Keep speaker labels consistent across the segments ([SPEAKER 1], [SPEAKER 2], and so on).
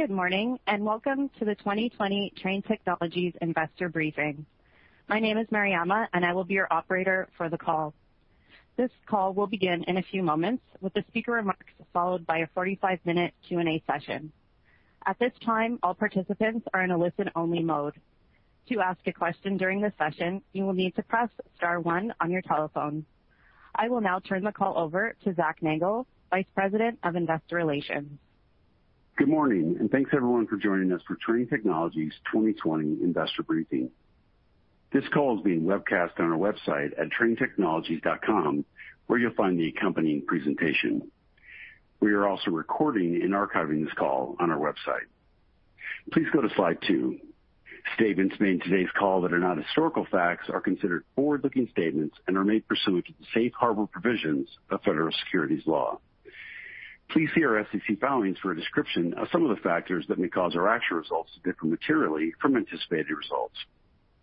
[SPEAKER 1] Good morning. Welcome to the 2020 Trane Technologies Investor Briefing. My name is Mariama, and I will be your operator for the call. This call will begin in a few moments with the speaker remarks, followed by a 45-minute Q&A session. At this time, all participants are in a listen-only mode. To ask a question during this session, you will need to press star one on your telephone. I will now turn the call over to Zac Nagle, Vice President of Investor Relations.
[SPEAKER 2] Good morning, and thanks everyone for joining us for Trane Technologies' 2020 Investor Briefing. This call is being webcast on our website at tranetechnologies.com, where you'll find the accompanying presentation. We are also recording and archiving this call on our website. Please go to slide two. Statements made in today's call that are not historical facts are considered forward-looking statements and are made pursuant to the safe harbor provisions of federal securities law. Please see our SEC filings for a description of some of the factors that may cause our actual results to differ materially from anticipated results.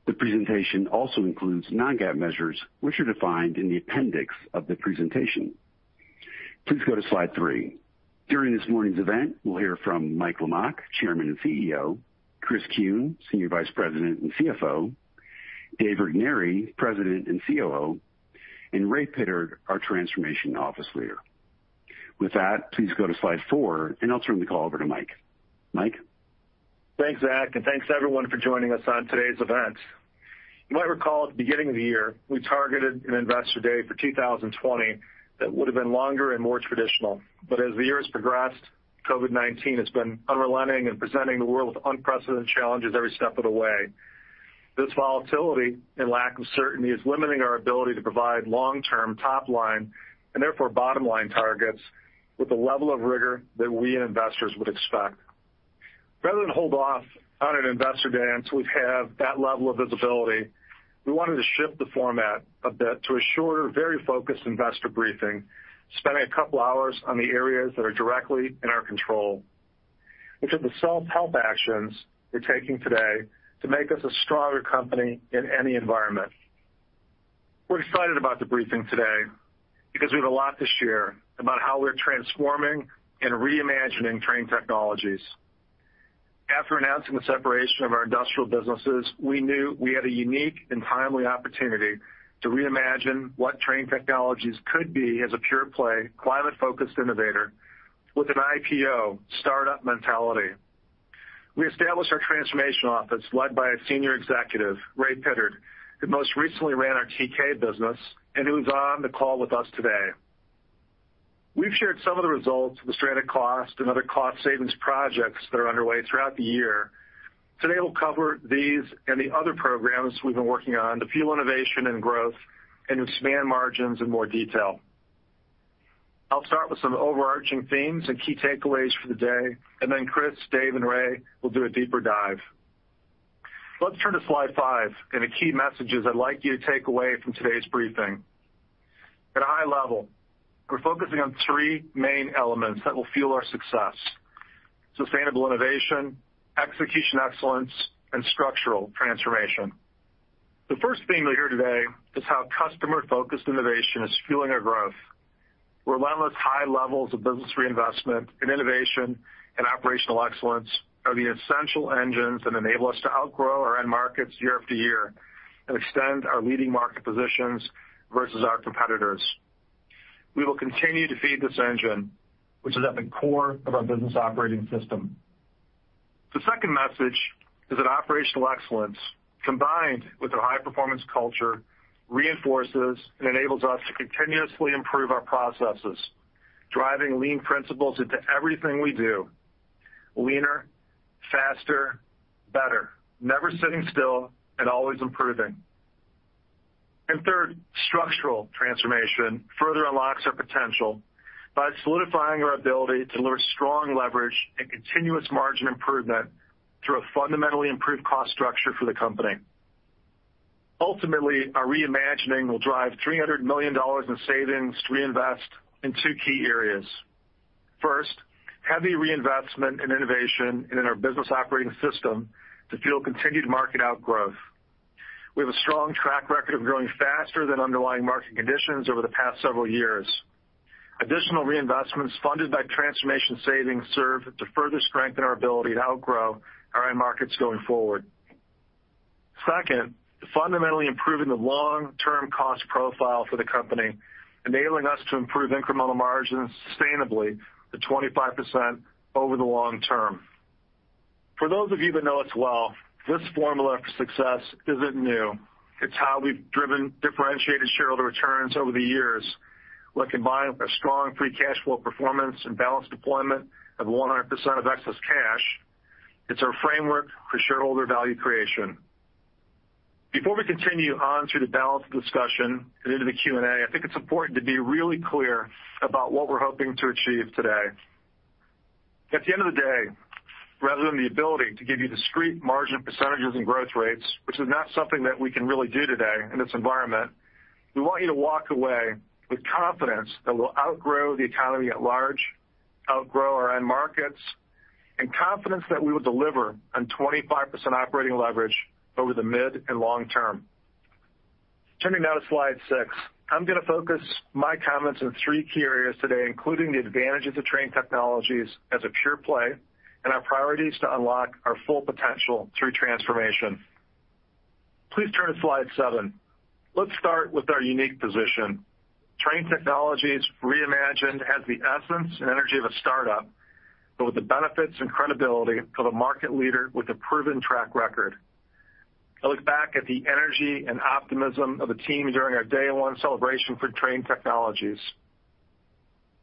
[SPEAKER 2] The presentation also includes non-GAAP measures, which are defined in the appendix of the presentation. Please go to slide three. During this morning's event, we'll hear from Mike Lamach, Chairman and CEO, Chris Kuehn, Senior Vice President and CFO, Dave Regnery, President and COO, and Ray Pittard, our Transformation Office Leader. With that, please go to slide four, and I'll turn the call over to Mike. Mike?
[SPEAKER 3] Thanks, Zac, and thanks everyone for joining us on today's event. You might recall at the beginning of the year, we targeted an Investor Day for 2020 that would've been longer and more traditional. As the year has progressed, COVID-19 has been unrelenting in presenting the world with unprecedented challenges every step of the way. This volatility and lack of certainty is limiting our ability to provide long-term top line, and therefore bottom line targets with the level of rigor that we and investors would expect. Rather than hold off on an Investor Day until we have that level of visibility, we wanted to shift the format a bit to a shorter, very focused investor briefing, spending a couple of hours on the areas that are directly in our control, which are the self-help actions we're taking today to make us a stronger company in any environment. We're excited about the briefing today because we have a lot to share about how we're transforming and re-imagining Trane Technologies. After announcing the separation of our industrial businesses, we knew we had a unique and timely opportunity to reimagine what Trane Technologies could be as a pure play, climate-focused innovator with an IPO startup mentality. We established our transformation office led by a senior executive, Ray Pittard, who most recently ran our TK business and who's on the call with us today. We've shared some of the results of the stranded cost and other cost savings projects that are underway throughout the year. Today, we'll cover these and the other programs we've been working on to fuel innovation and growth and expand margins in more detail. I'll start with some overarching themes and key takeaways for the day, and then Chris, Dave, and Ray will do a deeper dive. Let's turn to slide five and the key messages I'd like you to take away from today's briefing. At a high level, we're focusing on three main elements that will fuel our success: sustainable innovation, execution excellence, and structural transformation. The first theme you'll hear today is how customer-focused innovation is fueling our growth. Relentless high levels of business reinvestment in innovation and operational excellence are the essential engines that enable us to outgrow our end markets year after year and extend our leading market positions versus our competitors. We will continue to feed this engine, which is at the core of our business operating system. The second message is that operational excellence, combined with a high-performance culture, reinforces and enables us to continuously improve our processes, driving lean principles into everything we do, leaner, faster, better, never sitting still, and always improving. Third, structural transformation further unlocks our potential by solidifying our ability to lure strong leverage and continuous margin improvement through a fundamentally improved cost structure for the company. Ultimately, our re-imagining will drive $300 million in savings to reinvest in two key areas. First, heavy reinvestment in innovation and in our business operating system to fuel continued market outgrowth. We have a strong track record of growing faster than underlying market conditions over the past several years. Additional reinvestments funded by transformation savings serve to further strengthen our ability to outgrow our end markets going forward. Second, fundamentally improving the long-term cost profile for the company, enabling us to improve incremental margins sustainably to 25% over the long term. For those of you that know us well, this formula for success isn't new. It's how we've driven differentiated shareholder returns over the years. When combined with a strong free cash flow performance and balanced deployment of 100% of excess cash, it's our framework for shareholder value creation. Before we continue on through the balanced discussion and into the Q&A, I think it's important to be really clear about what we're hoping to achieve today. At the end of the day, rather than the ability to give you discrete margin percent and growth rates, which is not something that we can really do today in this environment, we want you to walk away with confidence that we'll outgrow the economy at large, outgrow our end markets, and confidence that we will deliver on 25% operating leverage over the mid and long term. Turning now to slide six. I'm going to focus my comments on three key areas today, including the advantages of Trane Technologies as a pure-play and our priorities to unlock our full potential through transformation. Please turn to slide seven. Let's start with our unique position. Trane Technologies reimagined has the essence and energy of a startup, but with the benefits and credibility of a market leader with a proven track record. I look back at the energy and optimism of the team during our day one celebration for Trane Technologies.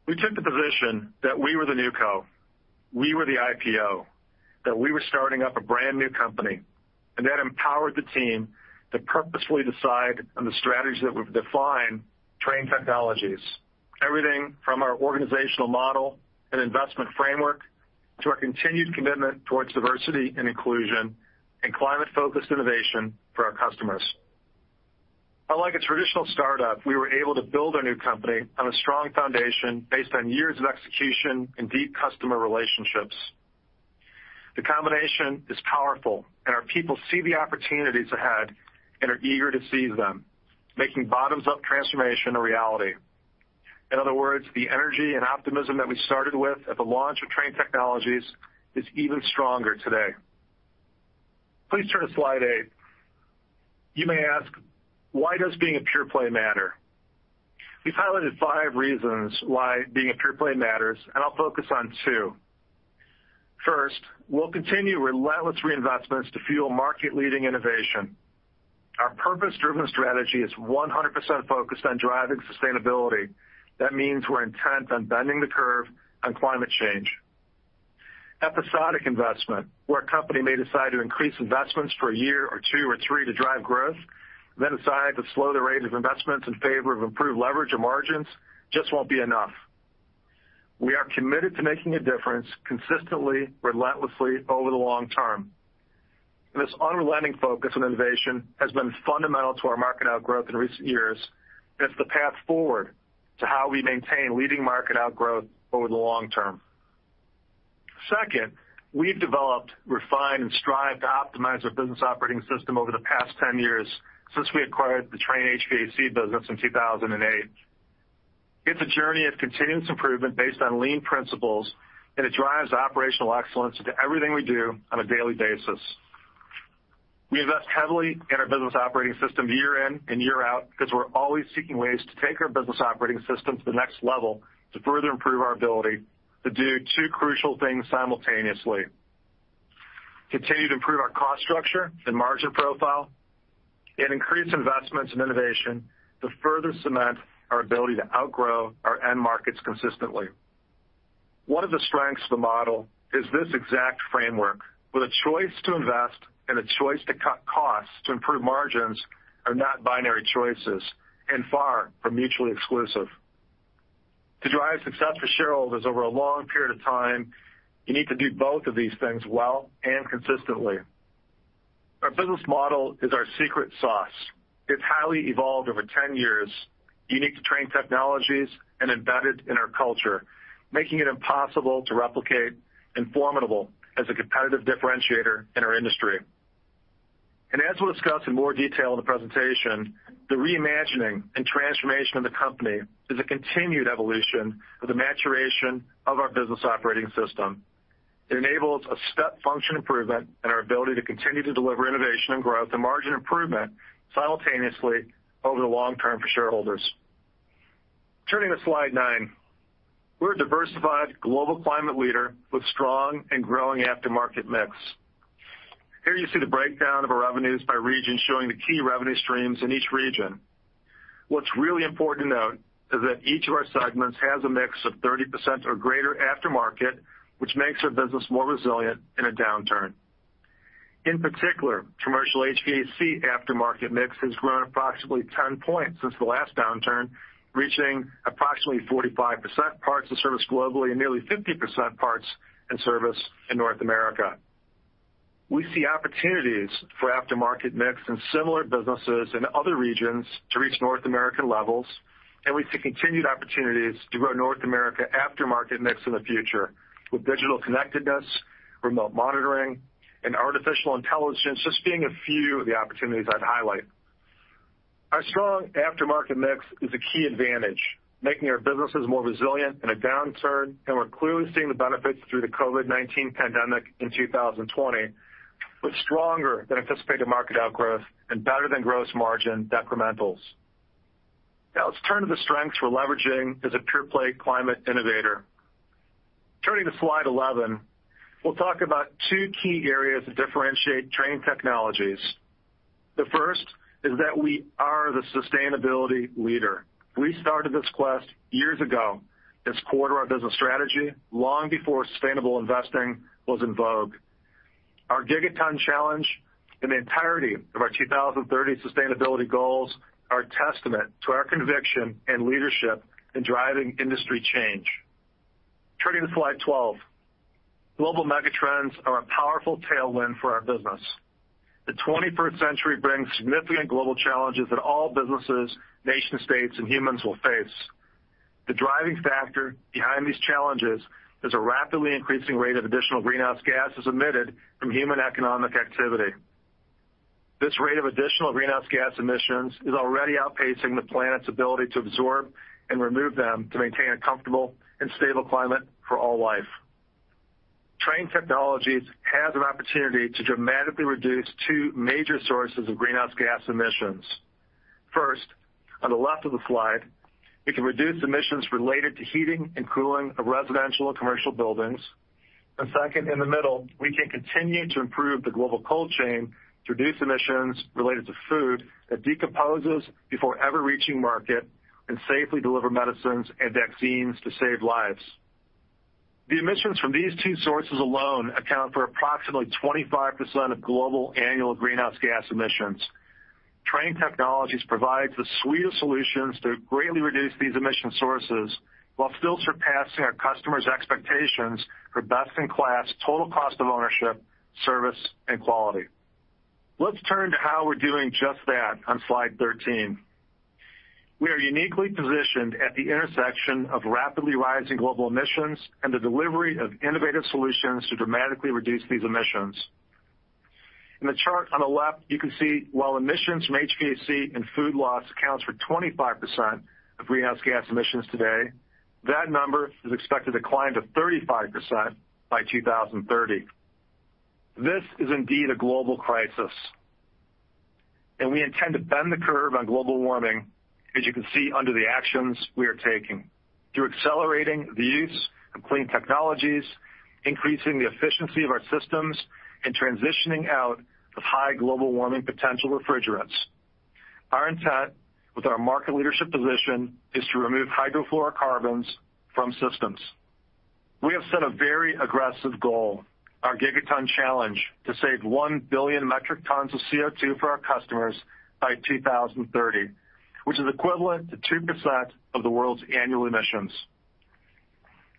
[SPEAKER 3] We took the position that we were the new co, we were the IPO, that we were starting up a brand-new company. That empowered the team to purposefully decide on the strategies that would define Trane Technologies. Everything from our organizational model and investment framework to our continued commitment towards diversity and inclusion and climate-focused innovation for our customers. Unlike a traditional startup, we were able to build our new company on a strong foundation based on years of execution and deep customer relationships. The combination is powerful, and our people see the opportunities ahead and are eager to seize them, making bottoms-up transformation a reality. In other words, the energy and optimism that we started with at the launch of Trane Technologies is even stronger today. Please turn to slide eight. You may ask, why does being a pure-play matter? We've highlighted five reasons why being a pure-play matters, and I'll focus on two. First, we'll continue relentless reinvestments to fuel market-leading innovation. Our purpose-driven strategy is 100% focused on driving sustainability. That means we're intent on bending the curve on climate change. Episodic investment, where a company may decide to increase investments for a year or two or three to drive growth, then decide to slow the rate of investments in favor of improved leverage or margins, just won't be enough. We are committed to making a difference consistently, relentlessly, over the long term. This unrelenting focus on innovation has been fundamental to our market outgrowth in recent years, and it's the path forward to how we maintain leading market outgrowth over the long term. Second, we've developed, refined, and strived to optimize our business operating system over the past 10 years since we acquired the Trane HVAC business in 2008. It's a journey of continuous improvement based on lean principles, and it drives operational excellence into everything we do on a daily basis. We invest heavily in our business operating system year in and year out because we're always seeking ways to take our business operating system to the next level to further improve our ability to do two crucial things simultaneously. Continue to improve our cost structure and margin profile and increase investments in innovation to further cement our ability to outgrow our end markets consistently. One of the strengths of the model is this exact framework, with a choice to invest and a choice to cut costs to improve margins are not binary choices and far from mutually exclusive. To drive success for shareholders over a long period of time, you need to do both of these things well and consistently. Our business model is our secret sauce. It's highly evolved over 10 years, unique to Trane Technologies, and embedded in our culture, making it impossible to replicate and formidable as a competitive differentiator in our industry. As we'll discuss in more detail in the presentation, the reimagining and transformation of the company is a continued evolution of the maturation of our business operating system. It enables a step function improvement in our ability to continue to deliver innovation and growth and margin improvement simultaneously over the long term for shareholders. Turning to slide nine. We're a diversified global climate leader with strong and growing aftermarket mix. Here you see the breakdown of our revenues by region, showing the key revenue streams in each region. What's really important to note is that each of our segments has a mix of 30% or greater aftermarket, which makes our business more resilient in a downturn. In particular, commercial HVAC aftermarket mix has grown approximately 10 points since the last downturn, reaching approximately 45% parts and service globally and nearly 50% parts and service in North America. We see opportunities for aftermarket mix in similar businesses in other regions to reach North American levels, and we see continued opportunities to grow North America aftermarket mix in the future with digital connectedness, remote monitoring, and artificial intelligence just being a few of the opportunities I'd highlight. Our strong aftermarket mix is a key advantage, making our businesses more resilient in a downturn, and we're clearly seeing the benefits through the COVID-19 pandemic in 2020, with stronger than anticipated market outgrowth and better-than-gross margin decrementals. Let's turn to the strengths we're leveraging as a pure-play climate innovator. Turning to slide 11, we'll talk about two key areas that differentiate Trane Technologies. The first is that we are the sustainability leader. We started this quest years ago as core to our business strategy long before sustainable investing was in vogue. Our Gigaton Challenge and the entirety of our 2030 sustainability goals are a testament to our conviction and leadership in driving industry change. Turning to slide 12. Global megatrends are a powerful tailwind for our business. The 21st century brings significant global challenges that all businesses, nation-states, and humans will face. The driving factor behind these challenges is a rapidly increasing rate of additional greenhouse gases emitted from human economic activity. This rate of additional greenhouse gas emissions is already outpacing the planet's ability to absorb and remove them to maintain a comfortable and stable climate for all life. Trane Technologies has an opportunity to dramatically reduce two major sources of greenhouse gas emissions. First, on the left of the slide, we can reduce emissions related to heating and cooling of residential and commercial buildings. Second, in the middle, we can continue to improve the global cold chain to reduce emissions related to food that decomposes before ever reaching market and safely deliver medicines and vaccines to save lives. The emissions from these two sources alone account for approximately 25% of global annual greenhouse gas emissions. Trane Technologies provides a suite of solutions to greatly reduce these emission sources while still surpassing our customers' expectations for best-in-class total cost of ownership, service, and quality. Let's turn to how we're doing just that on slide 13. We are uniquely positioned at the intersection of rapidly rising global emissions and the delivery of innovative solutions to dramatically reduce these emissions. In the chart on the left, you can see while emissions from HVAC and food loss accounts for 25% of greenhouse gas emissions today, that number is expected to climb to 35% by 2030. This is indeed a global crisis. We intend to bend the curve on global warming, as you can see under the actions we are taking. Through accelerating the use of clean technologies, increasing the efficiency of our systems, and transitioning out of high global warming potential refrigerants. Our intent with our market leadership position is to remove hydrofluorocarbons from systems. We have set a very aggressive goal, our Gigaton Challenge, to save 1 billion metric tons of CO2 for our customers by 2030, which is equivalent to 2% of the world's annual emissions.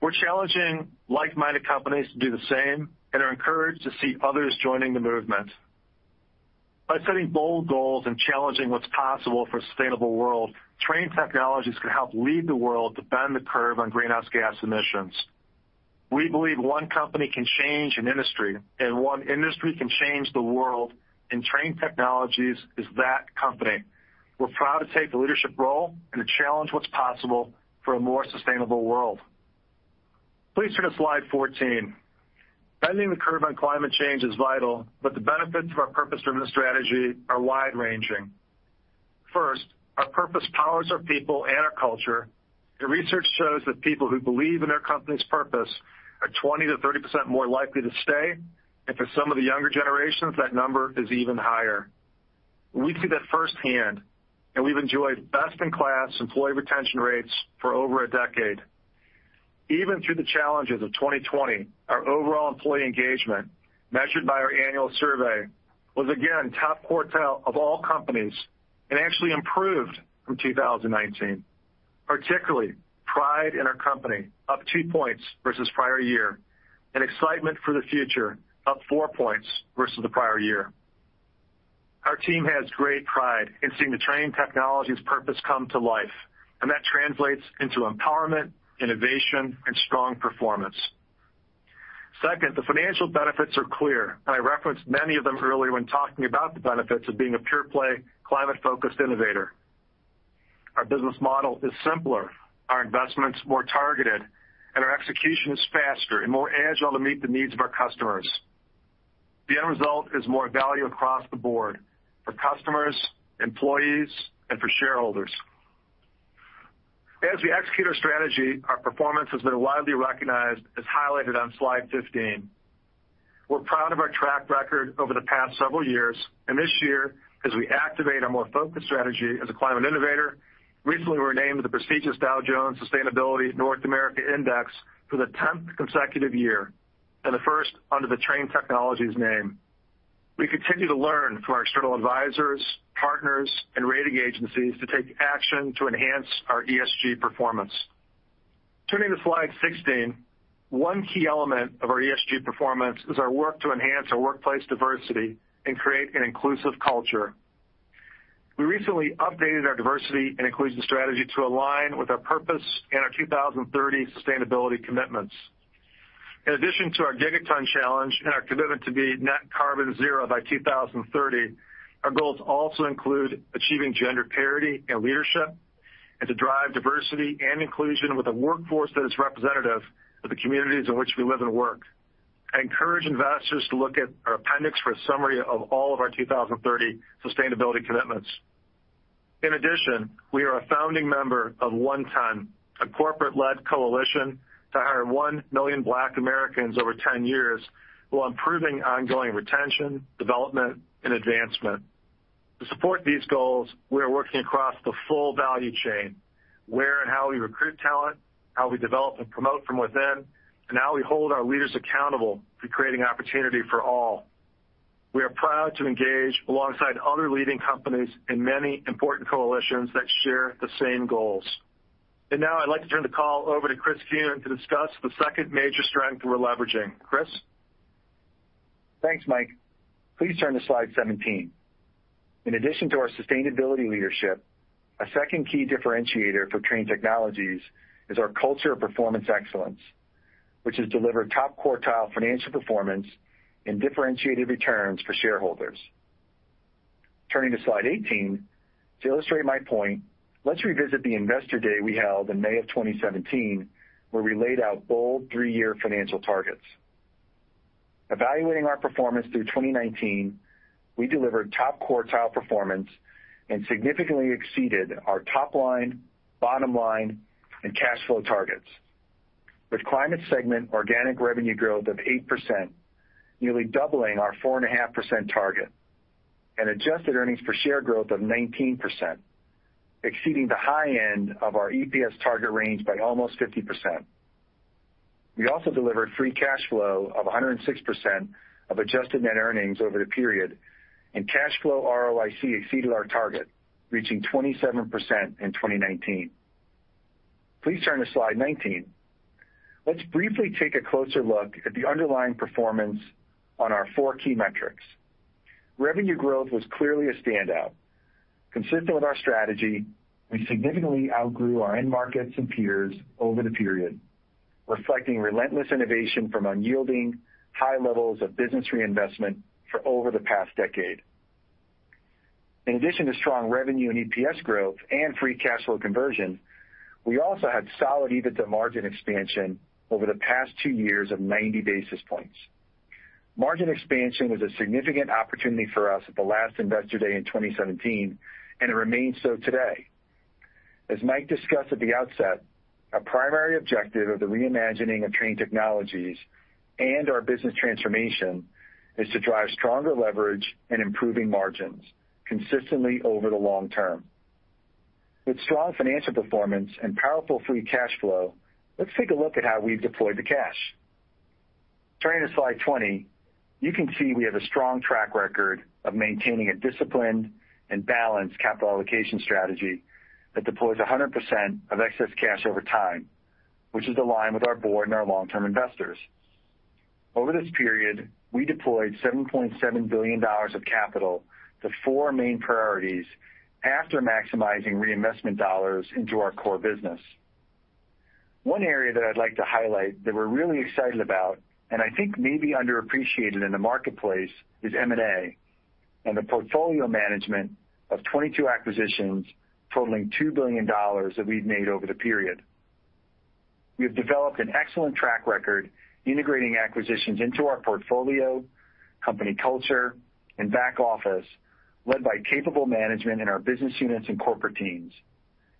[SPEAKER 3] We're challenging like-minded companies to do the same and are encouraged to see others joining the movement. By setting bold goals and challenging what's possible for a sustainable world, Trane Technologies can help lead the world to bend the curve on greenhouse gas emissions. We believe one company can change an industry, and one industry can change the world, and Trane Technologies is that company. We're proud to take the leadership role and to challenge what's possible for a more sustainable world. Please turn to slide 14. Bending the curve on climate change is vital, but the benefits of our purpose-driven strategy are wide-ranging. First, our purpose powers our people and our culture, and research shows that people who believe in their company's purpose are 20%-30% more likely to stay. For some of the younger generations, that number is even higher. We see that firsthand, and we've enjoyed best-in-class employee retention rates for over a decade. Even through the challenges of 2020, our overall employee engagement, measured by our annual survey, was again top quartile of all companies and actually improved from 2019. Particularly, pride in our company, up two points versus prior year, and excitement for the future, up four points versus the prior year. Our team has great pride in seeing the Trane Technologies purpose come to life, and that translates into empowerment, innovation, and strong performance. Second, the financial benefits are clear, and I referenced many of them earlier when talking about the benefits of being a pure-play, climate-focused innovator. Our business model is simpler, our investments more targeted, and our execution is faster and more agile to meet the needs of our customers. The end result is more value across the board for customers, employees, and for shareholders. As we execute our strategy, our performance has been widely recognized, as highlighted on slide 15. We're proud of our track record over the past several years, and this year, as we activate a more focused strategy as a climate innovator, recently, we were named to the prestigious Dow Jones Sustainability North America Index for the 10th consecutive year and the first under the Trane Technologies name. We continue to learn from our external advisors, partners, and rating agencies to take action to enhance our ESG performance. Turning to slide 16, one key element of our ESG performance is our work to enhance our workplace diversity and create an inclusive culture. We recently updated our diversity and inclusion strategy to align with our purpose and our 2030 sustainability commitments. In addition to our Gigaton Challenge and our commitment to be net carbon zero by 2030, our goals also include achieving gender parity in leadership and to drive diversity and inclusion with a workforce that is representative of the communities in which we live and work. I encourage investors to look at our appendix for a summary of all of our 2030 sustainability commitments. In addition, we are a founding member of OneTen, a corporate-led coalition to hire one million Black Americans over 10 years while improving ongoing retention, development, and advancement. To support these goals, we are working across the full value chain, where and how we recruit talent, how we develop and promote from within, and how we hold our leaders accountable for creating opportunity for all. We are proud to engage alongside other leading companies in many important coalitions that share the same goals. I'd like to turn the call over to Chris Kuehn to discuss the second major strength we're leveraging. Chris?
[SPEAKER 4] Thanks, Mike. Please turn to slide 17. In addition to our sustainability leadership, a second key differentiator for Trane Technologies is our culture of performance excellence, which has delivered top-quartile financial performance and differentiated returns for shareholders. Turning to slide 18, to illustrate my point, let's revisit the Investor Day we held in May of 2017, where we laid out bold three-year financial targets. Evaluating our performance through 2019, we delivered top-quartile performance and significantly exceeded our top-line, bottom line, and cash flow targets. With Climate segment organic revenue growth of 8%, nearly doubling our 4.5% target, and adjusted earnings per share growth of 19%, exceeding the high end of our EPS target range by almost 50%. We also delivered free cash flow of 106% of adjusted net earnings over the period, and cash flow ROIC exceeded our target, reaching 27% in 2019. Please turn to slide 19. Let's briefly take a closer look at the underlying performance on our four key metrics. Revenue growth was clearly a standout. Consistent with our strategy, we significantly outgrew our end markets and peers over the period, reflecting relentless innovation from unyielding high levels of business reinvestment for over the past decade. In addition to strong revenue and EPS growth and free cash flow conversion, we also had solid EBITDA margin expansion over the past two years of 90 basis points. Margin expansion was a significant opportunity for us at the last Investor Day in 2017, and it remains so today. As Mike discussed at the outset, a primary objective of the reimagining of Trane Technologies and our business transformation is to drive stronger leverage and improving margins consistently over the long term. With strong financial performance and powerful free cash flow, let's take a look at how we've deployed the cash. Turning to slide 20, you can see we have a strong track record of maintaining a disciplined and balanced capital allocation strategy that deploys 100% of excess cash over time, which is aligned with our board and our long-term investors. Over this period, we deployed $7.7 billion of capital to four main priorities after maximizing reinvestment dollars into our core business. One area that I'd like to highlight that we're really excited about, and I think may be underappreciated in the marketplace, is M&A and the portfolio management of 22 acquisitions totaling $2 billion that we've made over the period. We have developed an excellent track record integrating acquisitions into our portfolio, company culture, and back office, led by capable management in our business units and corporate teams,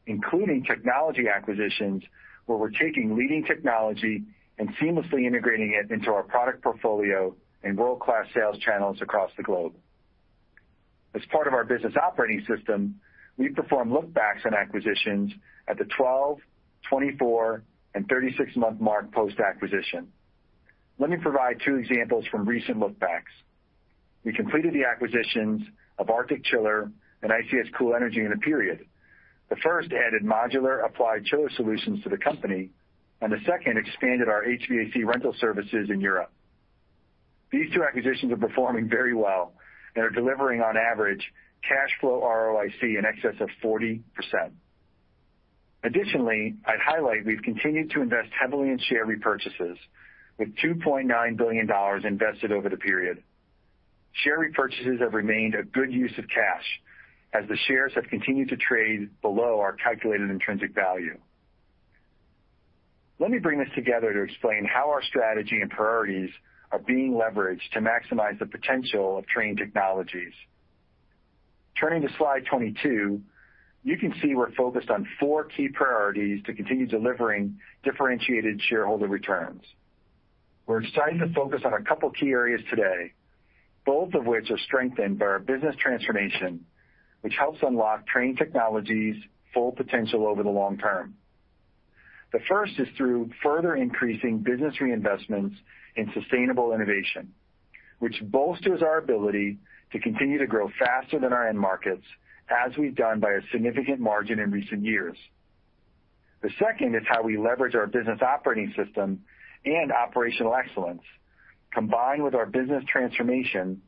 [SPEAKER 4] including technology acquisitions, where we're taking leading technology and seamlessly integrating it into our product portfolio and world-class sales channels across the globe. As part of our business operating system, we perform look backs on acquisitions at the 12, 24, and 36-month mark post-acquisition. Let me provide two examples from recent look backs. We completed the acquisitions of Arctic Chiller and ICS Cool Energy in the period. The first added modular applied chiller solutions to the company, and the second expanded our HVAC rental services in Europe. These two acquisitions are performing very well and are delivering on average cash flow ROIC in excess of 40%. Additionally, I'd highlight we've continued to invest heavily in share repurchases, with $2.9 billion invested over the period. Share repurchases have remained a good use of cash, as the shares have continued to trade below our calculated intrinsic value. Let me bring this together to explain how our strategy and priorities are being leveraged to maximize the potential of Trane Technologies. Turning to slide 22, you can see we're focused on four key priorities to continue delivering differentiated shareholder returns. We're excited to focus on a couple key areas today, both of which are strengthened by our business transformation, which helps unlock Trane Technologies' full potential over the long term. The first is through further increasing business reinvestments in sustainable innovation, which bolsters our ability to continue to grow faster than our end markets, as we've done by a significant margin in recent years. The second is how we leverage our business operating system and operational excellence, combined with our business transformation,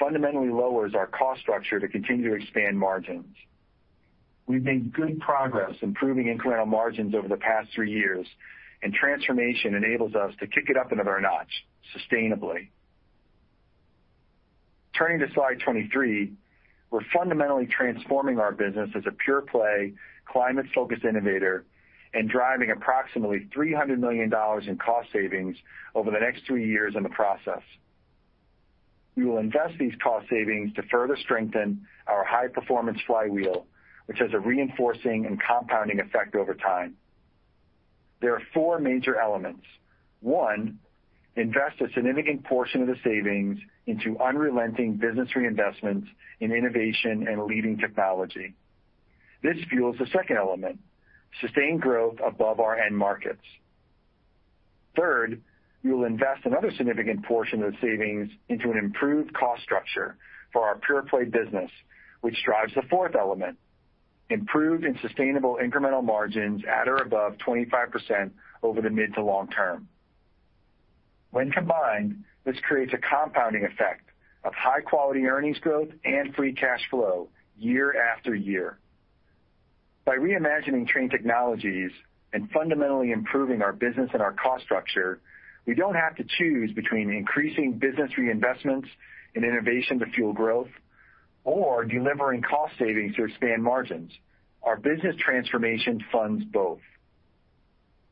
[SPEAKER 4] fundamentally lowers our cost structure to continue to expand margins. We've made good progress improving incremental margins over the past three years, and transformation enables us to kick it up another notch sustainably. Turning to slide 23, we're fundamentally transforming our business as a pure-play climate-focused innovator and driving approximately $300 million in cost savings over the next three years in the process. We will invest these cost savings to further strengthen our high-performance flywheel, which has a reinforcing and compounding effect over time. There are four major elements. One, invest a significant portion of the savings into unrelenting business reinvestments in innovation and leading technology. This fuels the second element, sustained growth above our end markets. Third, we will invest another significant portion of the savings into an improved cost structure for our pure-play business, which drives the fourth element. Improved and sustainable incremental margins at or above 25% over the mid to long term. When combined, this creates a compounding effect of high-quality earnings growth and free cash flow year after year. By reimagining Trane Technologies and fundamentally improving our business and our cost structure, we don't have to choose between increasing business reinvestments and innovation to fuel growth or delivering cost savings to expand margins. Our business transformation funds both.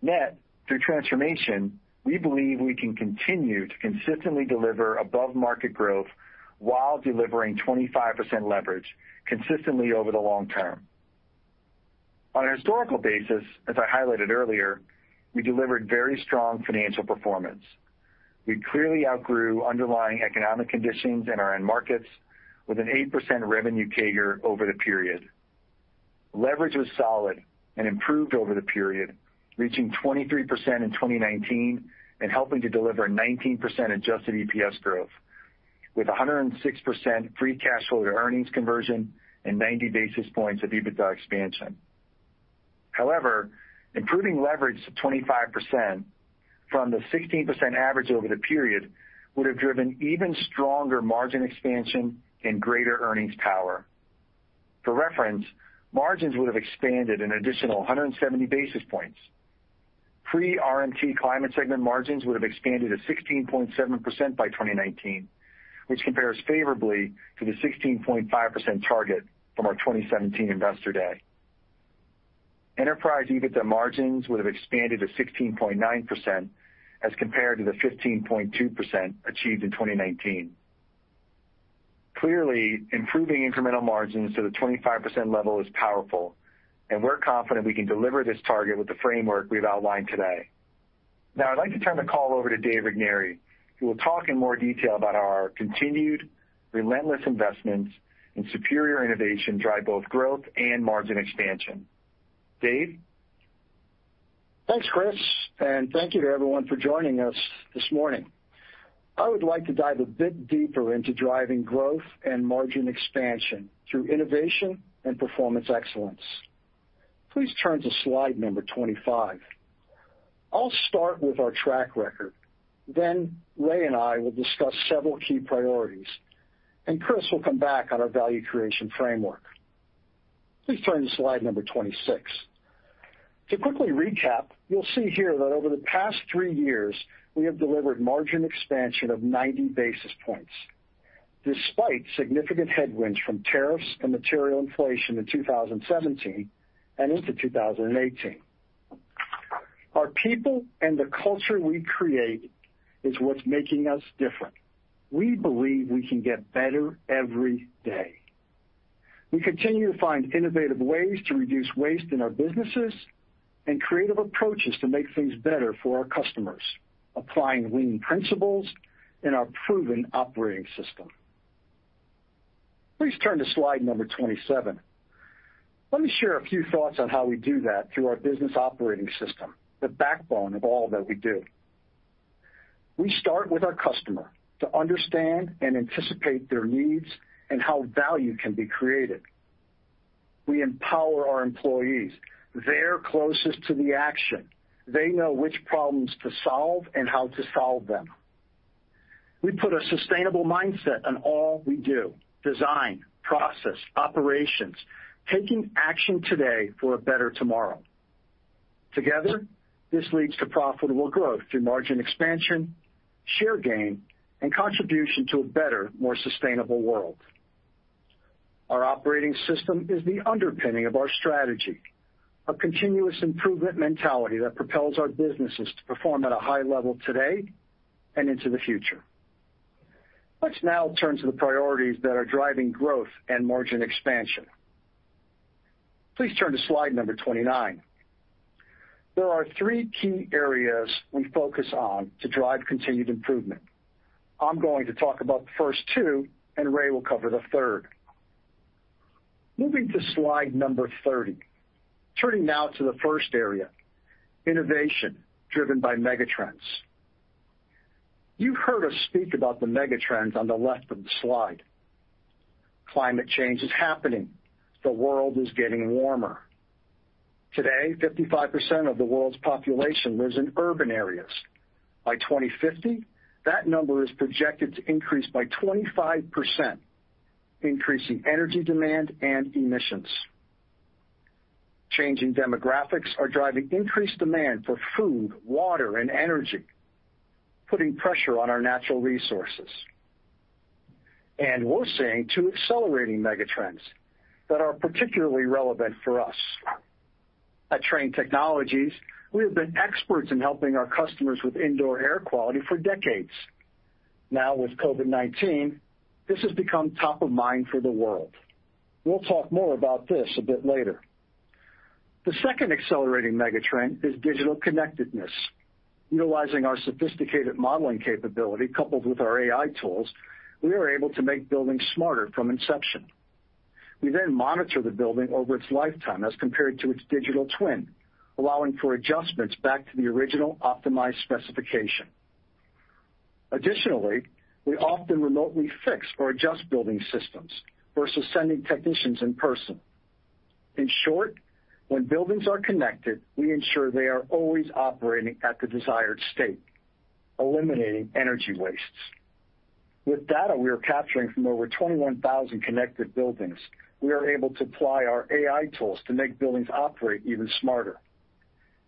[SPEAKER 4] Net, through transformation, we believe we can continue to consistently deliver above-market growth while delivering 25% leverage consistently over the long term. On a historical basis, as I highlighted earlier, we delivered very strong financial performance. We clearly outgrew underlying economic conditions in our end markets with an 8% revenue CAGR over the period. Leverage was solid and improved over the period, reaching 23% in 2019 and helping to deliver 19% adjusted EPS growth, with 106% free cash flow to earnings conversion and 90 basis points of EBITDA expansion. However, improving leverage to 25% from the 16% average over the period would have driven even stronger margin expansion and greater earnings power. For reference, margins would have expanded an additional 170 basis points. Pre-RMT Climate segment margins would have expanded to 16.7% by 2019, which compares favorably to the 16.5% target from our 2017 Investor Day. Enterprise EBITDA margins would have expanded to 16.9% as compared to the 15.2% achieved in 2019. Clearly, improving incremental margins to the 25% level is powerful, and we're confident we can deliver this target with the framework we've outlined today. Now I'd like to turn the call over to Dave Regnery, who will talk in more detail about our continued relentless investments in superior innovation drive both growth and margin expansion. Dave?
[SPEAKER 5] Thanks, Chris, and thank you to everyone for joining us this morning. I would like to dive a bit deeper into driving growth and margin expansion through innovation and performance excellence. Please turn to slide number 25. I'll start with our track record. Ray and I will discuss several key priorities, and Chris will come back on our value creation framework. Please turn to slide number 26. To quickly recap, you'll see here that over the past three years, we have delivered margin expansion of 90 basis points despite significant headwinds from tariffs and material inflation in 2017 and into 2018. Our people and the culture we create is what's making us different. We believe we can get better every day. We continue to find innovative ways to reduce waste in our businesses and creative approaches to make things better for our customers, applying lean principles in our proven operating system. Please turn to slide number 27. Let me share a few thoughts on how we do that through our business operating system, the backbone of all that we do. We start with our customer to understand and anticipate their needs and how value can be created. We empower our employees. They're closest to the action. They know which problems to solve and how to solve them. We put a sustainable mindset on all we do, design, process, operations, taking action today for a better tomorrow. Together, this leads to profitable growth through margin expansion, share gain, and contribution to a better, more sustainable world. Our operating system is the underpinning of our strategy, a continuous improvement mentality that propels our businesses to perform at a high level today and into the future. Let's now turn to the priorities that are driving growth and margin expansion. Please turn to slide number 29. There are three key areas we focus on to drive continued improvement. I'm going to talk about the first two, and Ray will cover the third. Moving to slide number 30. Turning now to the first area, innovation driven by megatrends. You've heard us speak about the megatrends on the left of the slide. Climate change is happening. The world is getting warmer. Today, 55% of the world's population lives in urban areas. By 2050, that number is projected to increase by 25%, increasing energy demand and emissions. Changing demographics are driving increased demand for food, water, and energy, putting pressure on our natural resources. We're seeing two accelerating megatrends that are particularly relevant for us. At Trane Technologies, we have been experts in helping our customers with indoor air quality for decades. Now, with COVID-19, this has become top of mind for the world. We'll talk more about this a bit later. The second accelerating megatrend is digital connectedness. Utilizing our sophisticated modeling capability coupled with our AI tools, we are able to make buildings smarter from inception. We then monitor the building over its lifetime as compared to its digital twin, allowing for adjustments back to the original optimized specification. Additionally, we often remotely fix or adjust building systems versus sending technicians in person. In short, when buildings are connected, we ensure they are always operating at the desired state, eliminating energy wastes. With data we are capturing from over 21,000 connected buildings, we are able to apply our AI tools to make buildings operate even smarter.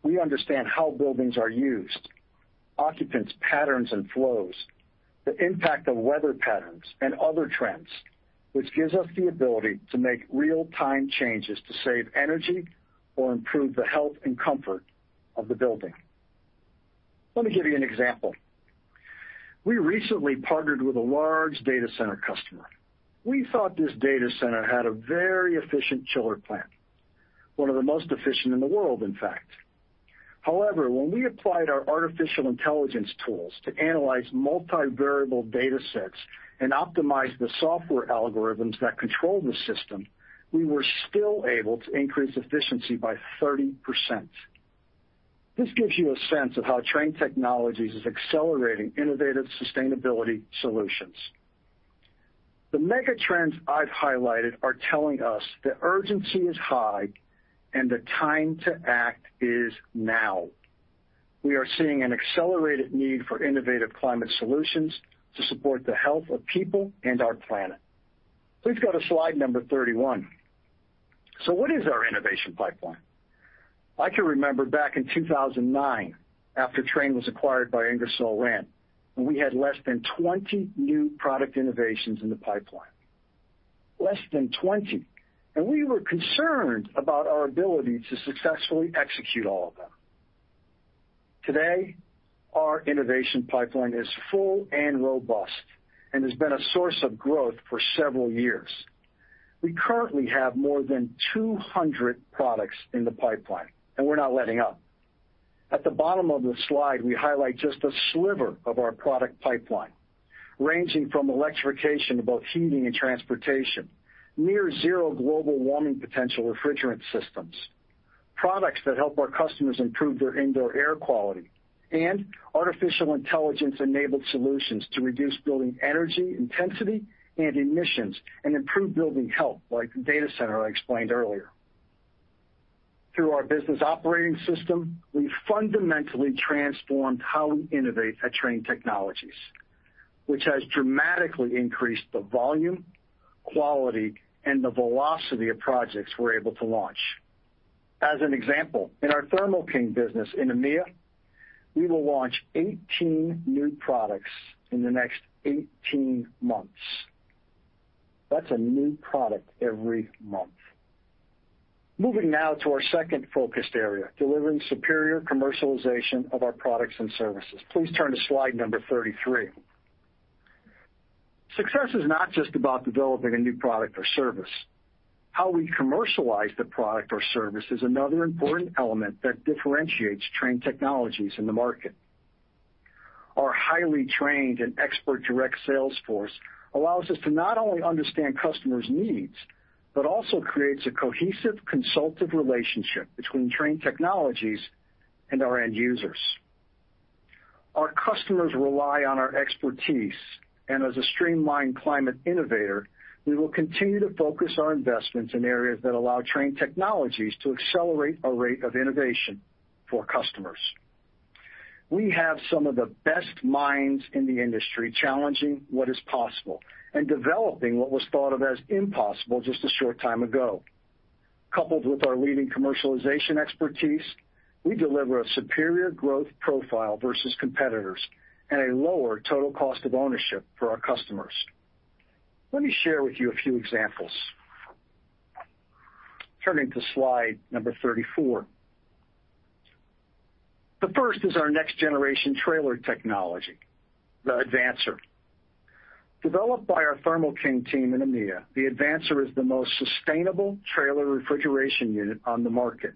[SPEAKER 5] We understand how buildings are used, occupants' patterns and flows, the impact of weather patterns, and other trends, which gives us the ability to make real time changes to save energy or improve the health and comfort of the building. Let me give you an example. We recently partnered with a large data center customer. We thought this data center had a very efficient chiller plant, one of the most efficient in the world, in fact. However, when we applied our artificial intelligence tools to analyze multi-variable data sets and optimize the software algorithms that control the system, we were still able to increase efficiency by 30%. This gives you a sense of how Trane Technologies is accelerating innovative sustainability solutions. The mega trends I've highlighted are telling us that urgency is high and the time to act is now. We are seeing an accelerated need for innovative climate solutions to support the health of people and our planet. Please go to slide number 31. what is our innovation pipeline? I can remember back in 2009, after Trane was acquired by Ingersoll Rand, and we had less than 20 new product innovations in the pipeline. Less than 20. we were concerned about our ability to successfully execute all of them. Today, our innovation pipeline is full and robust and has been a source of growth for several years. We currently have more than 200 products in the pipeline, and we're not letting up. At the bottom of the slide, we highlight just a sliver of our product pipeline, ranging from electrification, about heating and transportation, near zero global warming potential refrigerant systems, products that help our customers improve their indoor air quality, and artificial intelligence enabled solutions to reduce building energy intensity and emissions and improve building health, like the data center I explained earlier. Through our business operating system, we've fundamentally transformed how we innovate at Trane Technologies, which has dramatically increased the volume, quality, and the velocity of projects we're able to launch. As an example, in our Thermo King business in EMEA, we will launch 18 new products in the next 18 months. That's a new product every month. Moving now to our second focused area, delivering superior commercialization of our products and services. Please turn to slide number 33. Success is not just about developing a new product or service. How we commercialize the product or service is another important element that differentiates Trane Technologies in the market. Our highly trained and expert direct sales force allows us to not only understand customers' needs, but also creates a cohesive consultative relationship between Trane Technologies and our end users. Our customers rely on our expertise, and as a streamlined climate innovator, we will continue to focus our investments in areas that allow Trane Technologies to accelerate our rate of innovation for customers. We have some of the best minds in the industry challenging what is possible and developing what was thought of as impossible just a short time ago. Coupled with our leading commercialization expertise, we deliver a superior growth profile versus competitors and a lower total cost of ownership for our customers. Let me share with you a few examples. Turning to slide number 34. The first is our next generation trailer technology, the Advancer. Developed by our Thermo King team in EMEA, the Advancer is the most sustainable trailer refrigeration unit on the market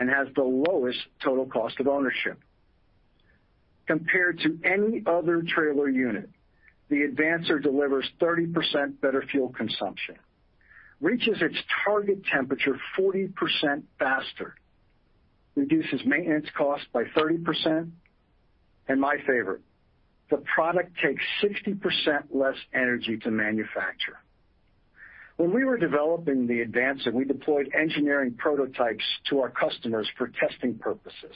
[SPEAKER 5] and has the lowest total cost of ownership. Compared to any other trailer unit, the Advancer delivers 30% better fuel consumption, reaches its target temperature 40% faster, reduces maintenance cost by 30%, and my favorite, the product takes 60% less energy to manufacture. When we were developing the Advancer, we deployed engineering prototypes to our customers for testing purposes,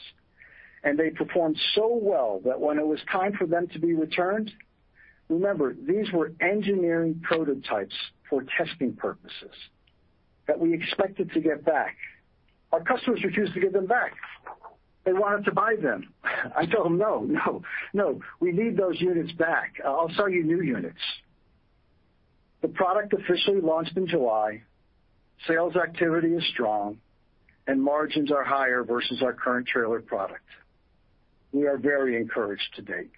[SPEAKER 5] and they performed so well that when it was time for them to be returned, remember, these were engineering prototypes for testing purposes that we expected to get back. Our customers refused to give them back. They wanted to buy them. I tell them, "No, no. We need those units back. I'll sell you new units." The product officially launched in July. Sales activity is strong, and margins are higher versus our current trailer product. We are very encouraged to date.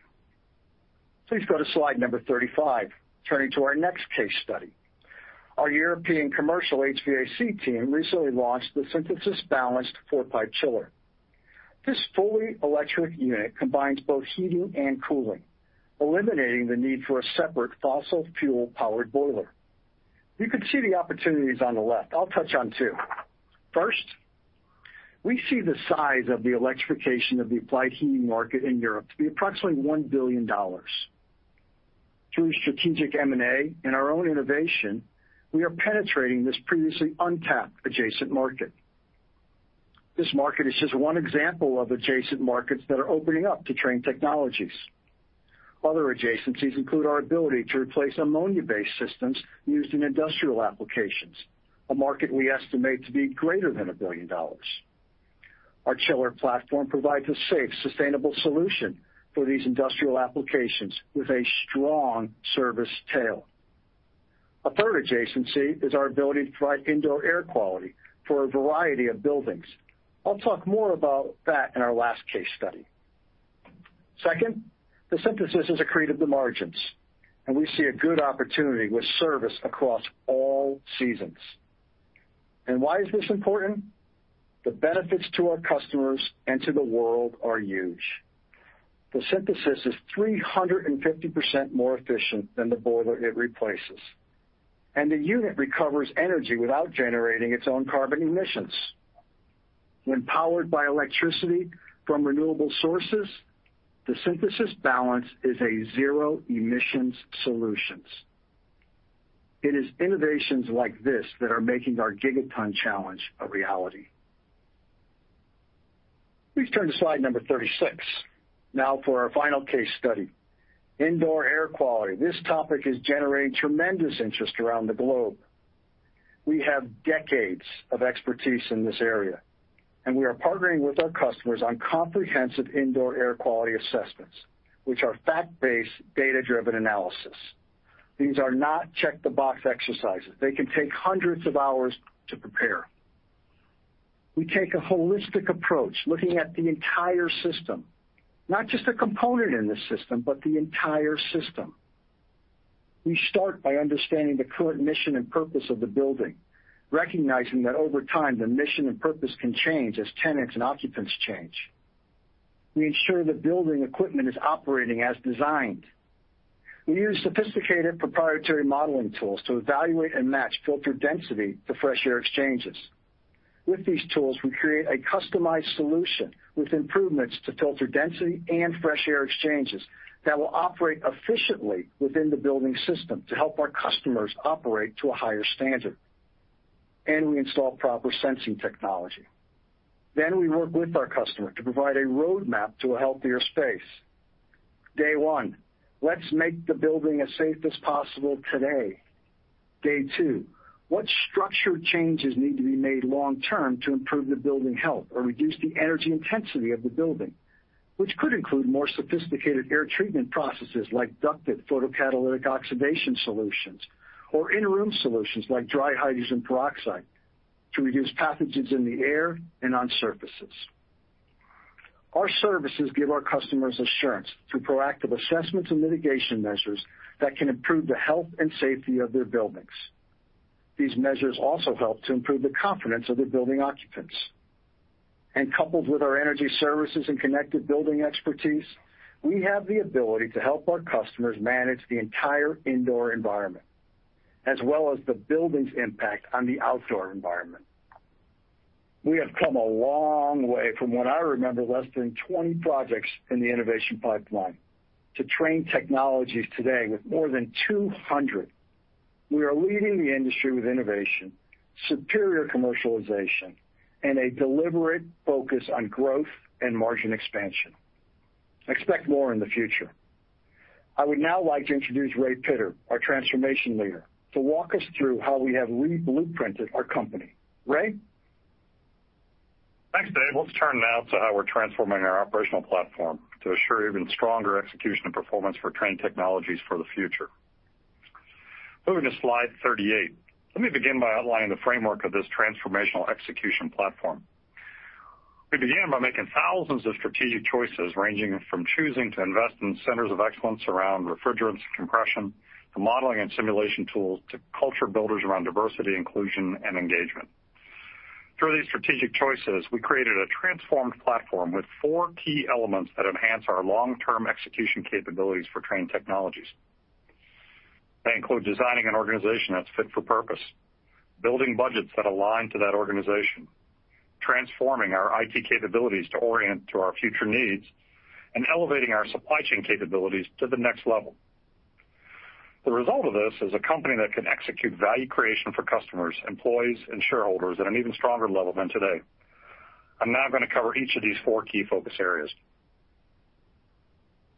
[SPEAKER 5] Please go to slide number 35. Turning to our next case study. Our European commercial HVAC team recently launched the Sintesis Balance four-pipe chiller. This fully electric unit combines both heating and cooling, eliminating the need for a separate fossil fuel powered boiler. You can see the opportunities on the left. I'll touch on two. First We see the size of the electrification of the applied heating market in Europe to be approximately $1 billion. Through strategic M&A and our own innovation, we are penetrating this previously untapped adjacent market. This market is just one example of adjacent markets that are opening up to Trane Technologies. Other adjacencies include our ability to replace ammonia-based systems used in industrial applications, a market we estimate to be greater than $1 billion. Our chiller platform provides a safe, sustainable solution for these industrial applications with a strong service tail. A third adjacency is our ability to provide indoor air quality for a variety of buildings. I'll talk more about that in our last case study. Second, the Sintesis has accreted the margins, and we see a good opportunity with service across all seasons. Why is this important? The benefits to our customers and to the world are huge. The Sintesis is 350% more efficient than the boiler it replaces, and the unit recovers energy without generating its own carbon emissions. When powered by electricity from renewable sources, the Sintesis Balance is a zero-emissions solutions. It is innovations like this that are making our Gigaton Challenge a reality. Please turn to slide number 36. Now for our final case study, indoor air quality. This topic has generated tremendous interest around the globe. We have decades of expertise in this area, and we are partnering with our customers on comprehensive indoor air quality assessments, which are fact-based, data-driven analysis. These are not check-the-box exercises. They can take hundreds of hours to prepare. We take a holistic approach, looking at the entire system, not just a component in the system, but the entire system. We start by understanding the current mission and purpose of the building, recognizing that over time, the mission and purpose can change as tenants and occupants change. We ensure the building equipment is operating as designed. We use sophisticated proprietary modeling tools to evaluate and match filter density to fresh air exchanges. With these tools, we create a customized solution with improvements to filter density and fresh air exchanges that will operate efficiently within the building system to help our customers operate to a higher standard. We install proper sensing technology. We work with our customer to provide a roadmap to a healthier space. Day one, let's make the building as safe as possible today. Day two, what structure changes need to be made long term to improve the building health or reduce the energy intensity of the building, which could include more sophisticated air treatment processes like ducted photocatalytic oxidation solutions, or interim solutions like dry hydrogen peroxide to reduce pathogens in the air and on surfaces. Our services give our customers assurance through proactive assessments and mitigation measures that can improve the health and safety of their buildings. These measures also help to improve the confidence of their building occupants. Coupled with our energy services and connected building expertise, we have the ability to help our customers manage the entire indoor environment, as well as the building's impact on the outdoor environment. We have come a long way from what I remember, less than 20 projects in the innovation pipeline to Trane Technologies today with more than 200. We are leading the industry with innovation, superior commercialization, and a deliberate focus on growth and margin expansion. Expect more in the future. I would now like to introduce Ray Pittard, our transformation leader, to walk us through how we have re-blueprinted our company. Ray?
[SPEAKER 6] Thanks, Dave. Let's turn now to how we're transforming our operational platform to assure even stronger execution and performance for Trane Technologies for the future. Moving to slide 38, let me begin by outlining the framework of this transformational execution platform. We began by making thousands of strategic choices, ranging from choosing to invest in centers of excellence around refrigerants and compression, to modeling and simulation tools, to culture builders around diversity, inclusion, and engagement. Through these strategic choices, we created a transformed platform with four key elements that enhance our long-term execution capabilities for Trane Technologies. They include designing an organization that's fit for purpose, building budgets that align to that organization, transforming our IT capabilities to orient to our future needs, and elevating our supply chain capabilities to the next level. The result of this is a company that can execute value creation for customers, employees, and shareholders at an even stronger level than today. I'm now going to cover each of these four key focus areas.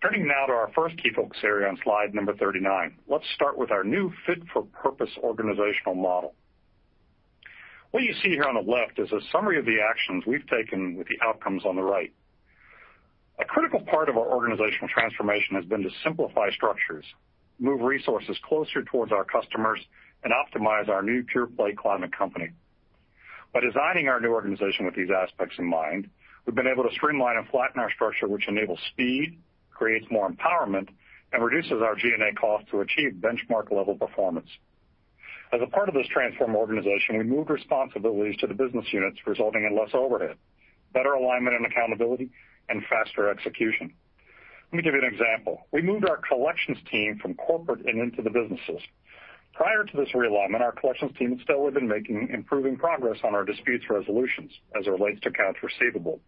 [SPEAKER 6] Turning now to our first key focus area on slide number 39, let's start with our new fit-for-purpose organizational model. What you see here on the left is a summary of the actions we've taken with the outcomes on the right. A critical part of our organizational transformation has been to simplify structures, move resources closer towards our customers, and optimize our new pure play climate company. By designing our new organization with these aspects in mind, we've been able to streamline and flatten our structure, which enables speed, creates more empowerment, and reduces our G&A costs to achieve benchmark level performance. As a part of this transformed organization, we moved responsibilities to the business units, resulting in less overhead, better alignment and accountability, and faster execution. Let me give you an example. We moved our collections team from corporate and into the businesses. Prior to this realignment, our collections team had steadily been making improving progress on our disputes resolutions as it relates to accounts receivable.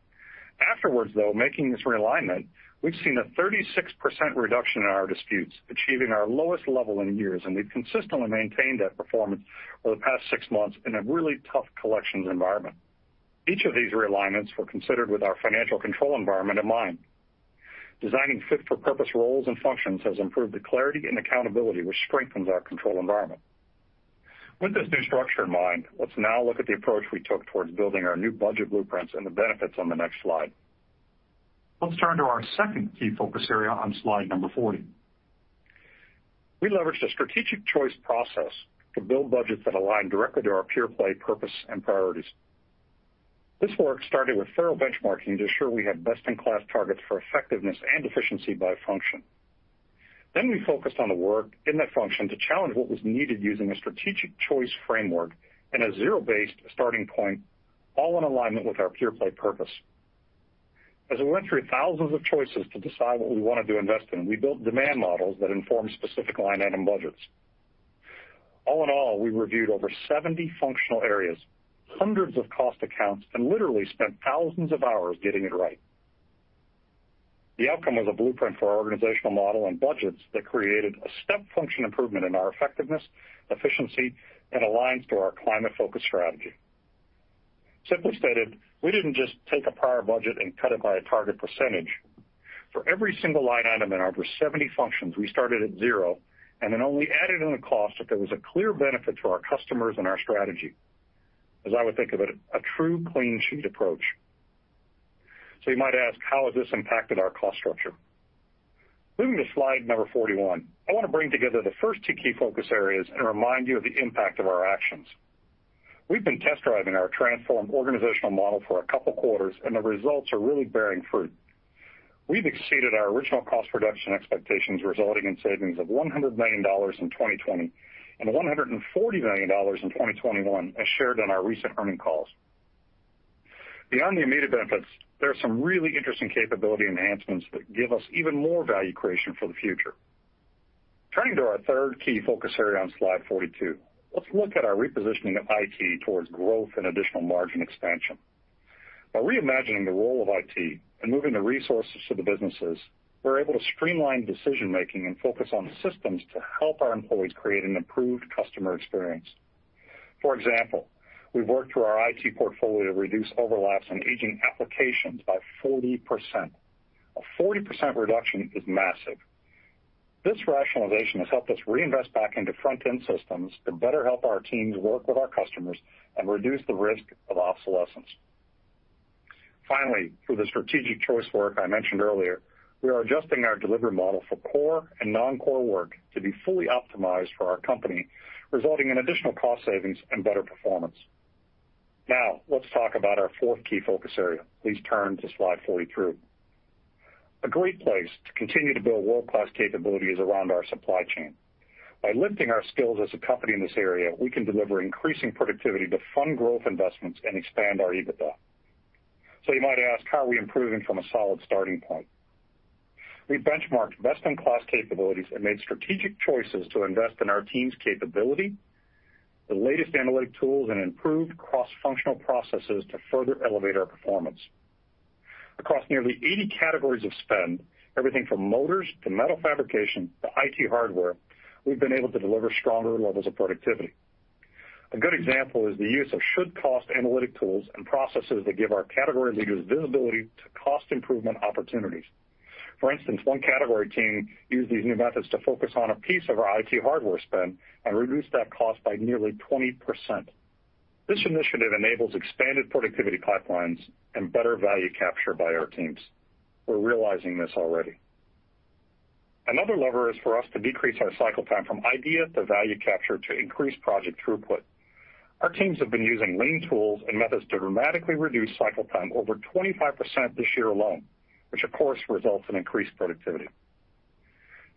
[SPEAKER 6] Afterwards, though, making this realignment, we've seen a 36% reduction in our disputes, achieving our lowest level in years, and we've consistently maintained that performance over the past six months in a really tough collections environment. Each of these realignments were considered with our financial control environment in mind. Designing fit-for-purpose roles and functions has improved the clarity and accountability, which strengthens our control environment. With this new structure in mind, let's now look at the approach we took towards building our new budget blueprints and the benefits on the next slide. Let's turn to our second key focus area on slide number 40. We leveraged a strategic choice process to build budgets that align directly to our pure-play purpose and priorities. This work started with thorough benchmarking to ensure we had best-in-class targets for effectiveness and efficiency by function. We focused on the work in that function to challenge what was needed using a strategic choice framework and a zero-based starting point, all in alignment with our pure-play purpose. As we went through thousands of choices to decide what we wanted to invest in, we built demand models that informed specific line-item budgets. All in all, we reviewed over 70 functional areas, hundreds of cost accounts, and literally spent thousands of hours getting it right. The outcome was a blueprint for our organizational model and budgets that created a step function improvement in our effectiveness, efficiency, and aligns to our climate-focused strategy. Simply stated, we didn't just take a prior budget and cut it by a target percentage. For every single line item in over 70 functions, we started at zero and then only added in a cost if there was a clear benefit to our customers and our strategy. As I would think of it, a true clean sheet approach. You might ask, how has this impacted our cost structure? Moving to slide number 41, I want to bring together the first two key focus areas and remind you of the impact of our actions. We've been test driving our transformed organizational model for a couple quarters, and the results are really bearing fruit. We've exceeded our original cost reduction expectations, resulting in savings of $100 million in 2020 and $140 million in 2021, as shared on our recent earnings calls. Beyond the immediate benefits, there are some really interesting capability enhancements that give us even more value creation for the future. Turning to our third key focus area on slide 42, let's look at our repositioning of IT towards growth and additional margin expansion. By reimagining the role of IT and moving the resources to the businesses, we're able to streamline decision-making and focus on systems to help our employees create an improved customer experience. For example, we've worked through our IT portfolio to reduce overlaps on aging applications by 40%. A 40% reduction is massive. This rationalization has helped us reinvest back into front-end systems to better help our teams work with our customers and reduce the risk of obsolescence. Finally, through the strategic choice work I mentioned earlier, we are adjusting our delivery model for core and non-core work to be fully optimized for our company, resulting in additional cost savings and better performance. Now, let's talk about our fourth key focus area. Please turn to slide 43. A great place to continue to build world-class capability is around our supply chain. By lifting our skills as a company in this area, we can deliver increasing productivity to fund growth investments and expand our EBITDA. you might ask, how are we improving from a solid starting point? We benchmarked best-in-class capabilities and made strategic choices to invest in our team's capability, the latest analytic tools, and improved cross-functional processes to further elevate our performance. Across nearly 80 categories of spend, everything from motors to metal fabrication to IT hardware, we've been able to deliver stronger levels of productivity. A good example is the use of should-cost analytic tools and processes that give our category leaders visibility to cost improvement opportunities. For instance, one category team used these new methods to focus on a piece of our IT hardware spend and reduced that cost by nearly 20%. This initiative enables expanded productivity pipelines and better value capture by our teams. We're realizing this already. Another lever is for us to decrease our cycle time from idea to value capture to increase project throughput. Our teams have been using lean tools and methods to dramatically reduce cycle time over 25% this year alone, which of course, results in increased productivity.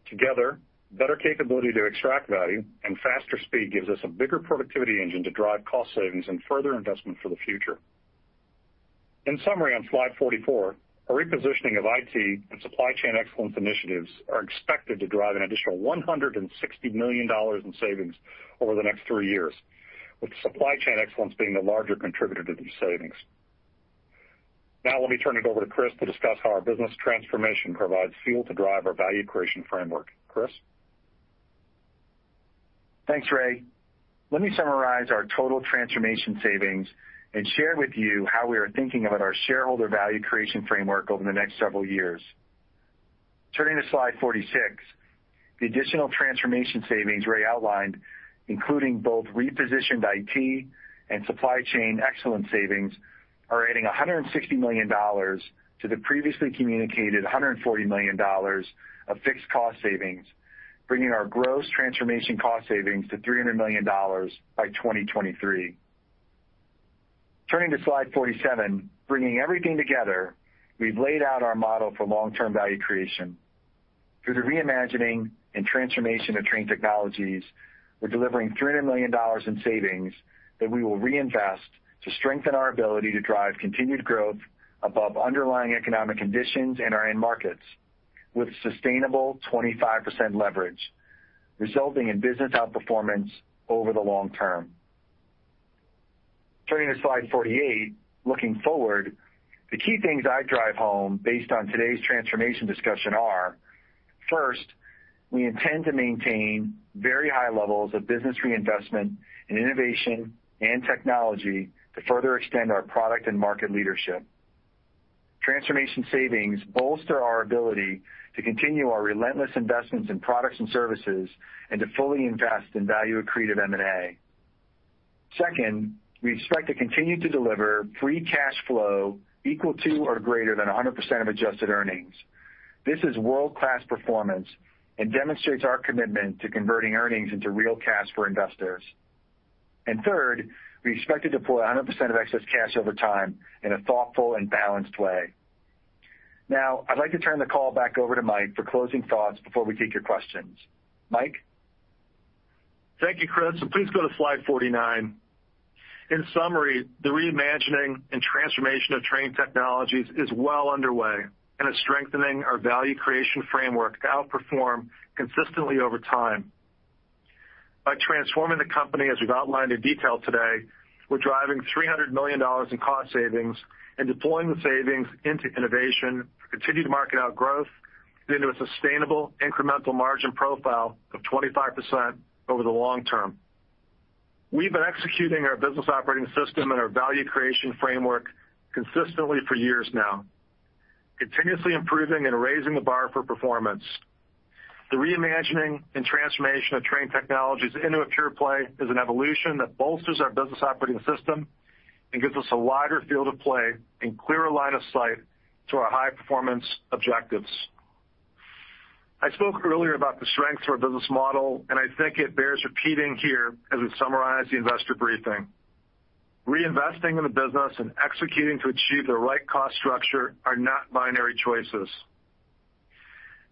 [SPEAKER 6] Together, better capability to extract value and faster speed gives us a bigger productivity engine to drive cost savings and further investment for the future. In summary, on slide 44, a repositioning of IT and supply chain excellence initiatives are expected to drive an additional $160 million in savings over the next three years, with supply chain excellence being the larger contributor to these savings. Now let me turn it over to Chris to discuss how our business transformation provides fuel to drive our value creation framework. Chris?
[SPEAKER 4] Thanks, Ray. Let me summarize our total transformation savings and share with you how we are thinking about our shareholder value creation framework over the next several years. Turning to slide 46, the additional transformation savings Ray outlined, including both repositioned IT and supply chain excellence savings, are adding $160 million to the previously communicated $140 million of fixed cost savings, bringing our gross transformation cost savings to $300 million by 2023. Turning to slide 47, bringing everything together, we've laid out our model for long-term value creation. Through the reimagining and transformation of Trane Technologies, we're delivering $300 million in savings that we will reinvest to strengthen our ability to drive continued growth above underlying economic conditions in our end markets with sustainable 25% leverage, resulting in business outperformance over the long term. Turning to slide 48, looking forward, the key things I drive home based on today's transformation discussion are, first, we intend to maintain very high levels of business reinvestment in innovation and technology to further extend our product and market leadership. Transformation savings bolster our ability to continue our relentless investments in products and services and to fully invest in value-accretive M&A. Second, we expect to continue to deliver free cash flow equal to or greater than 100% of adjusted earnings. This is world-class performance and demonstrates our commitment to converting earnings into real cash for investors. Third, we expect to deploy 100% of excess cash over time in a thoughtful and balanced way. Now, I'd like to turn the call back over to Mike for closing thoughts before we take your questions. Mike?
[SPEAKER 3] Thank you, Chris. Please go to slide 49. In summary, the reimagining and transformation of Trane Technologies is well underway and is strengthening our value creation framework to outperform consistently over time. By transforming the company as we've outlined in detail today, we're driving $300 million in cost savings and deploying the savings into innovation to continue to outgrow the market into a sustainable incremental margin profile of 25% over the long term. We've been executing our business operating system and our value creation framework consistently for years now, continuously improving and raising the bar for performance. The reimagining and transformation of Trane Technologies into a pure play is an evolution that bolsters our business operating system and gives us a wider field of play and clearer line of sight to our high-performance objectives. I spoke earlier about the strength to our business model, and I think it bears repeating here as we summarize the investor briefing. Reinvesting in the business and executing to achieve the right cost structure are not binary choices.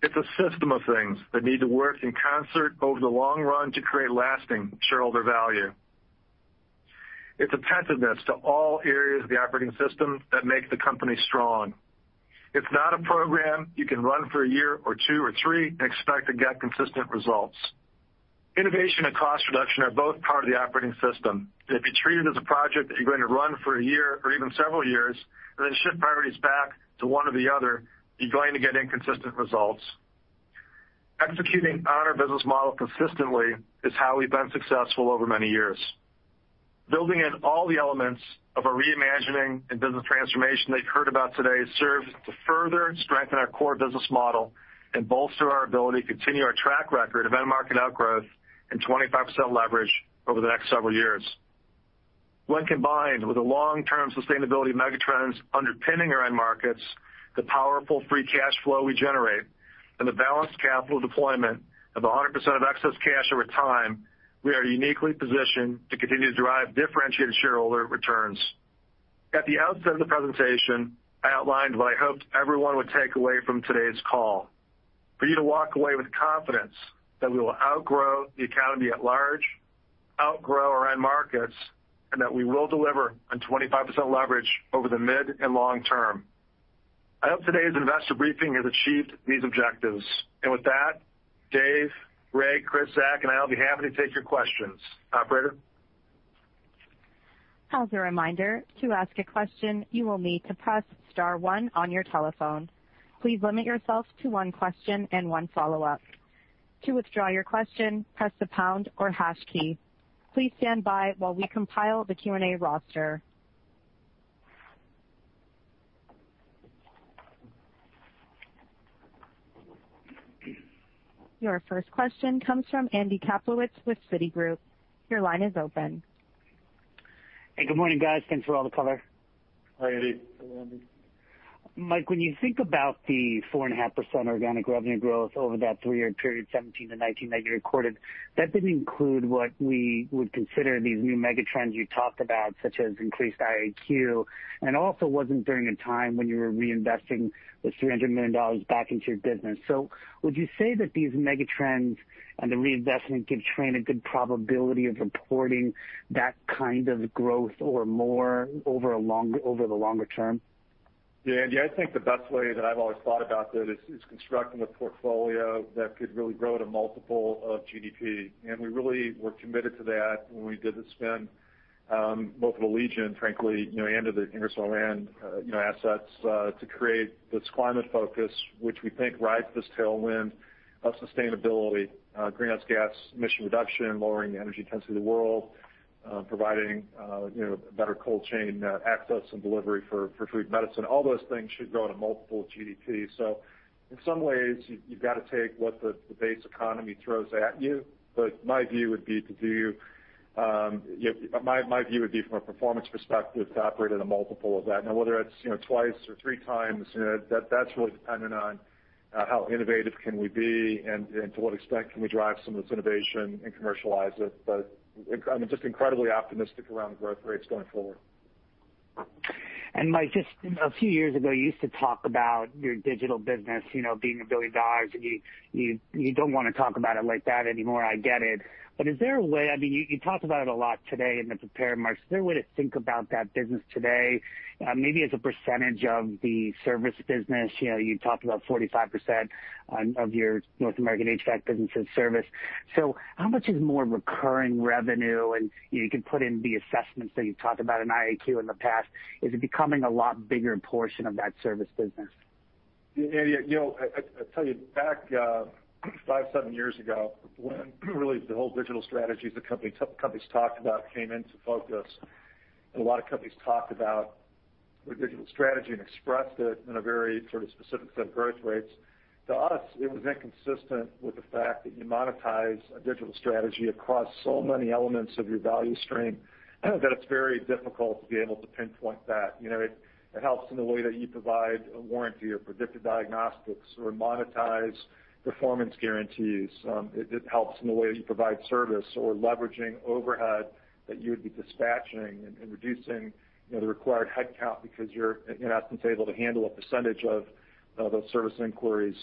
[SPEAKER 3] It's a system of things that need to work in concert over the long run to create lasting shareholder value. It's attentiveness to all areas of the operating system that make the company strong. It's not a program you can run for a year or two or three and expect to get consistent results. Innovation and cost reduction are both part of the operating system. If you treat it as a project that you're going to run for a year or even several years, and then shift priorities back to one or the other, you're going to get inconsistent results. Executing on our business model consistently is how we've been successful over many years. Building in all the elements of a reimagining and business transformation that you've heard about today serves to further strengthen our core business model and bolster our ability to continue our track record of end market outgrowth and 25% leverage over the next several years. When combined with the long-term sustainability megatrends underpinning our end markets, the powerful free cash flow we generate, and the balanced capital deployment of 100% of excess cash over time, we are uniquely positioned to continue to drive differentiated shareholder returns. At the outset of the presentation, I outlined what I hoped everyone would take away from today's call, for you to walk away with confidence that we will outgrow the economy at large, outgrow our end markets, and that we will deliver on 25% leverage over the mid and long term. I hope today's investor briefing has achieved these objectives. With that, Dave, Ray, Chris, Zac, and I'll be happy to take your questions. Operator?
[SPEAKER 1] As a reminder, to ask a question, you will need to press star one on your telephone. Please limit yourself to one question and one follow-up. To withdraw your question, press the pound or hash key. Please stand by while we compile the Q&A roster. Your first question comes from Andy Kaplowitz with Citigroup. Your line is open.
[SPEAKER 7] Hey, good morning, guys. Thanks for all the color.
[SPEAKER 3] Hi, Andy.
[SPEAKER 4] Hello, Andy.
[SPEAKER 7] Mike, when you think about the 4.5% organic revenue growth over that three-year period, 2017-2019 that you recorded, that didn't include what we would consider these new megatrends you talked about, such as increased IAQ, and also wasn't during a time when you were reinvesting the $300 million back into your business. Would you say that these megatrends and the reinvestment give Trane a good probability of reporting that kind of growth or more over the longer term?
[SPEAKER 3] Yeah, Andy, I think the best way that I've always thought about that is constructing a portfolio that could really grow at a multiple of GDP. We really were committed to that when we did the spin, both of Allegion, frankly, and of the Ingersoll Rand assets to create this climate focus, which we think rides this tailwind of sustainability, greenhouse gas emission reduction, lowering the energy intensity of the world, providing better cold chain access and delivery for food medicine. All those things should grow at a multiple of GDP. In some ways, you've got to take what the base economy throws at you. My view would be from a performance perspective to operate at a multiple of that. Now, whether that's twice or three times, that's really dependent on how innovative can we be and to what extent can we drive some of this innovation and commercialize it. I'm just incredibly optimistic around the growth rates going forward.
[SPEAKER 7] Mike, just a few years ago, you used to talk about your digital business being $1 billion, and you don't want to talk about it like that anymore, I get it. Is there a way, you talked about it a lot today in the prepared remarks. Is there a way to think about that business today, maybe as a percentage of the service business? You talked about 45% of your North American HVAC business is service. How much is more recurring revenue? You can put in the assessments that you've talked about in IAQ in the past. Is it becoming a lot bigger portion of that service business?
[SPEAKER 3] Andy, I tell you, back five, seven years ago, when really the whole digital strategies the companies talked about came into focus, and a lot of companies talked about their digital strategy and expressed it in a very specific set of growth rates. To us, it was inconsistent with the fact that you monetize a digital strategy across so many elements of your value stream, that it's very difficult to be able to pinpoint that. It helps in the way that you provide a warranty or predictive diagnostics or monetize performance guarantees. It helps in the way that you provide service or leveraging overhead that you would be dispatching and reducing the required headcount because you're in essence able to handle a percentage of those service inquiries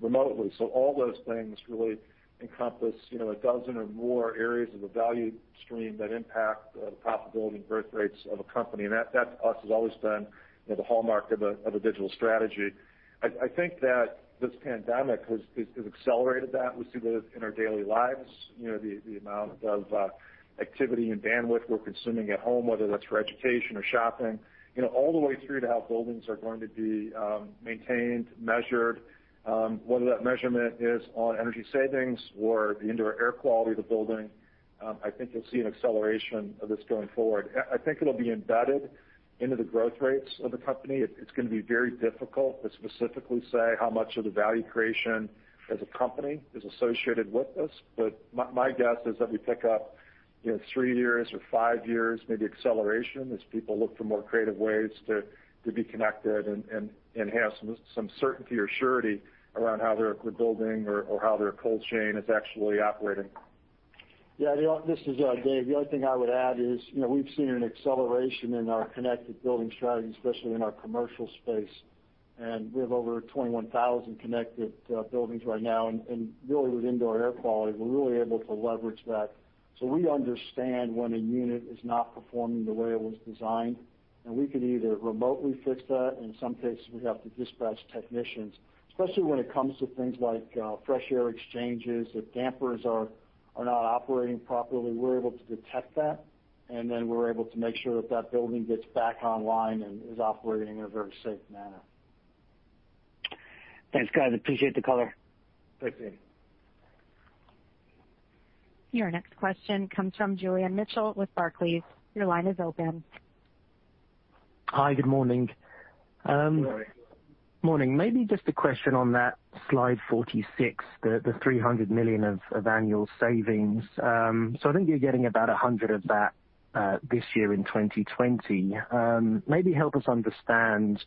[SPEAKER 3] remotely. All those things really encompass a dozen or more areas of the value stream that impact the profitability and growth rates of a company. That, to us, has always been the hallmark of a digital strategy. I think that this pandemic has accelerated that. We see that in our daily lives, the amount of activity and bandwidth we're consuming at home, whether that's for education or shopping. All the way through to how buildings are going to be maintained, measured, whether that measurement is on energy savings or the indoor air quality of the building. I think you'll see an acceleration of this going forward. I think it'll be embedded into the growth rates of the company. It's going to be very difficult to specifically say how much of the value creation as a company is associated with this. My guess is that we pick up three years or five years, maybe acceleration as people look for more creative ways to be connected and have some certainty or surety around how their building or how their cold chain is actually operating.
[SPEAKER 5] Yeah, this is Dave. The only thing I would add is, we've seen an acceleration in our connected building strategy, especially in our commercial space, and we have over 21,000 connected buildings right now. Really with indoor air quality, we're really able to leverage that. We understand when a unit is not performing the way it was designed, and we can either remotely fix that, in some cases, we have to dispatch technicians, especially when it comes to things like fresh air exchanges. If dampers are not operating properly, we're able to detect that, and then we're able to make sure that that building gets back online and is operating in a very safe manner.
[SPEAKER 7] Thanks, guys. Appreciate the color.
[SPEAKER 3] Thanks, Andy.
[SPEAKER 1] Your next question comes from Julian Mitchell with Barclays. Your line is open.
[SPEAKER 8] Hi, good morning.
[SPEAKER 3] Morning.
[SPEAKER 8] Morning. Maybe just a question on that Slide 46, the $300 million of annual savings. I think you're getting about 100 of that this year in 2020. Maybe help us understand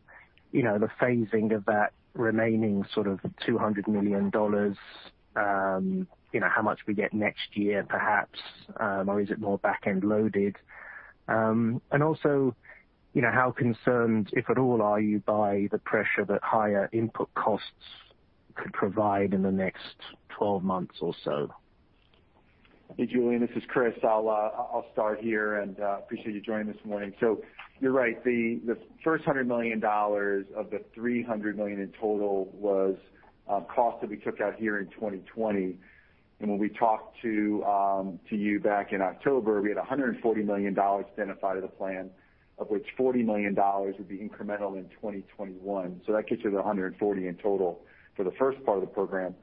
[SPEAKER 8] the phasing of that remaining sort of $200 million, how much we get next year perhaps, or is it more back-end loaded? Also, how concerned, if at all, are you by the pressure that higher input costs could provide in the next 12 months or so?
[SPEAKER 4] Hey, Julian, this is Chris. I'll start here, and appreciate you joining this morning. You're right, the first $100 million of the $300 million in total was cost that we took out here in 2020. When we talked to you back in October, we had $140 million identified as a plan, of which $40 million would be incremental in 2021. That gets you to 140 in total for the first part of the program.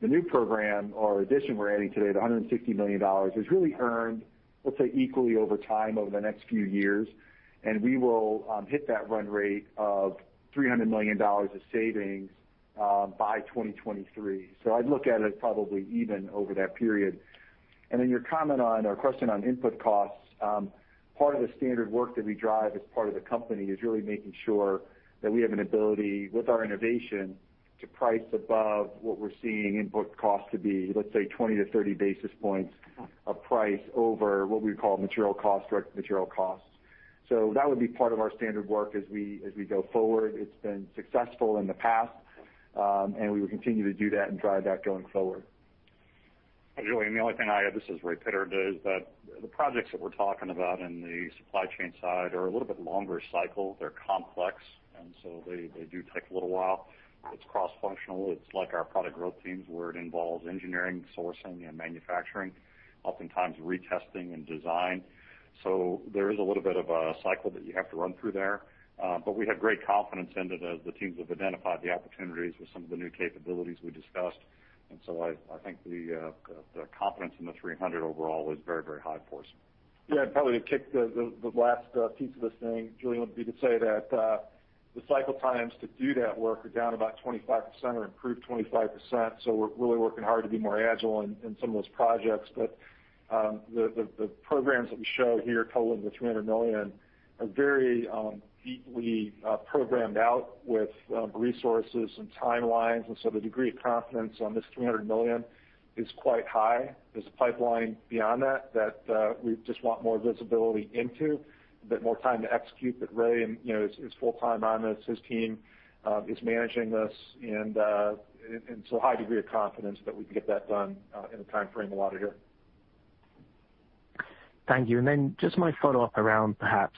[SPEAKER 4] The new program or addition we're adding today, the $160 million, is really earned, let's say, equally over time over the next few years, and we will hit that run rate of $300 million of savings by 2023. I'd look at it probably even over that period. Your comment on or question on input costs. Part of the standard work that we drive as part of the company is really making sure that we have an ability with our innovation to price above what we're seeing input costs to be, let's say 20-30 basis points of price over what we call material costs, direct material costs. That would be part of our standard work as we go forward. It's been successful in the past, and we will continue to do that and drive that going forward.
[SPEAKER 6] Julian, the only thing I add, this is Ray Pittard, is that the projects that we're talking about in the supply chain side are a little bit longer cycle. They're complex, and so they do take a little while. It's cross-functional. It's like our product growth teams, where it involves engineering, sourcing, and manufacturing, oftentimes retesting and design. There is a little bit of a cycle that you have to run through there. We have great confidence in it as the teams have identified the opportunities with some of the new capabilities we discussed. I think the confidence in the 300 overall is very, very high for us.
[SPEAKER 3] Yeah, probably to kick the last piece of this thing, Julian, would be to say that the cycle times to do that work are down about 25% or improved 25%, so we're really working hard to be more agile in some of those projects. The programs that we show here totaling the $300 million are very deeply programmed out with resources and timelines, and so the degree of confidence on this $300 million is quite high. There's a pipeline beyond that we just want more visibility into, a bit more time to execute. Ray is full time on this. His team is managing this, and so a high degree of confidence that we can get that done in the timeframe allotted here.
[SPEAKER 8] Thank you. Just my follow-up around perhaps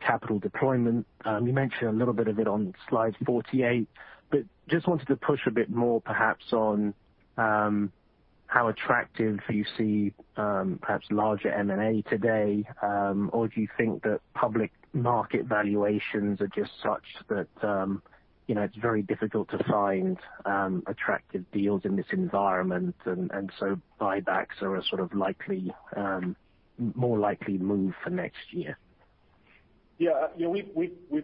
[SPEAKER 8] capital deployment. You mentioned a little bit of it on slide 48, but just wanted to push a bit more perhaps on how attractive you see perhaps larger M&A today. Do you think that public market valuations are just such that it's very difficult to find attractive deals in this environment, and so buybacks are a more likely move for next year?
[SPEAKER 3] Yeah. We've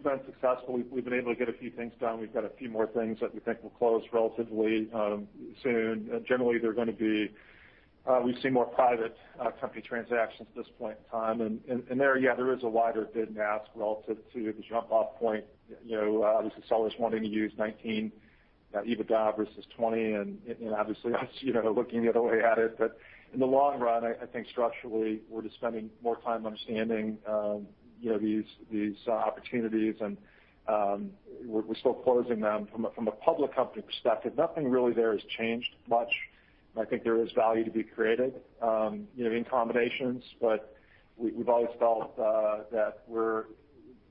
[SPEAKER 3] been successful. We've been able to get a few things done. We've got a few more things that we think will close relatively soon. Generally, we've seen more private company transactions at this point in time, and there, yeah, there is a wider bid and ask relative to the jump-off point. Obviously sellers wanting to use 2019 EBITDA versus 2020, and obviously us looking the other way at it. In the long run, I think structurally, we're just spending more time understanding these opportunities, and we're still closing them. From a public company perspective, nothing really there has changed much. I think there is value to be created in combinations, but we've always felt that we're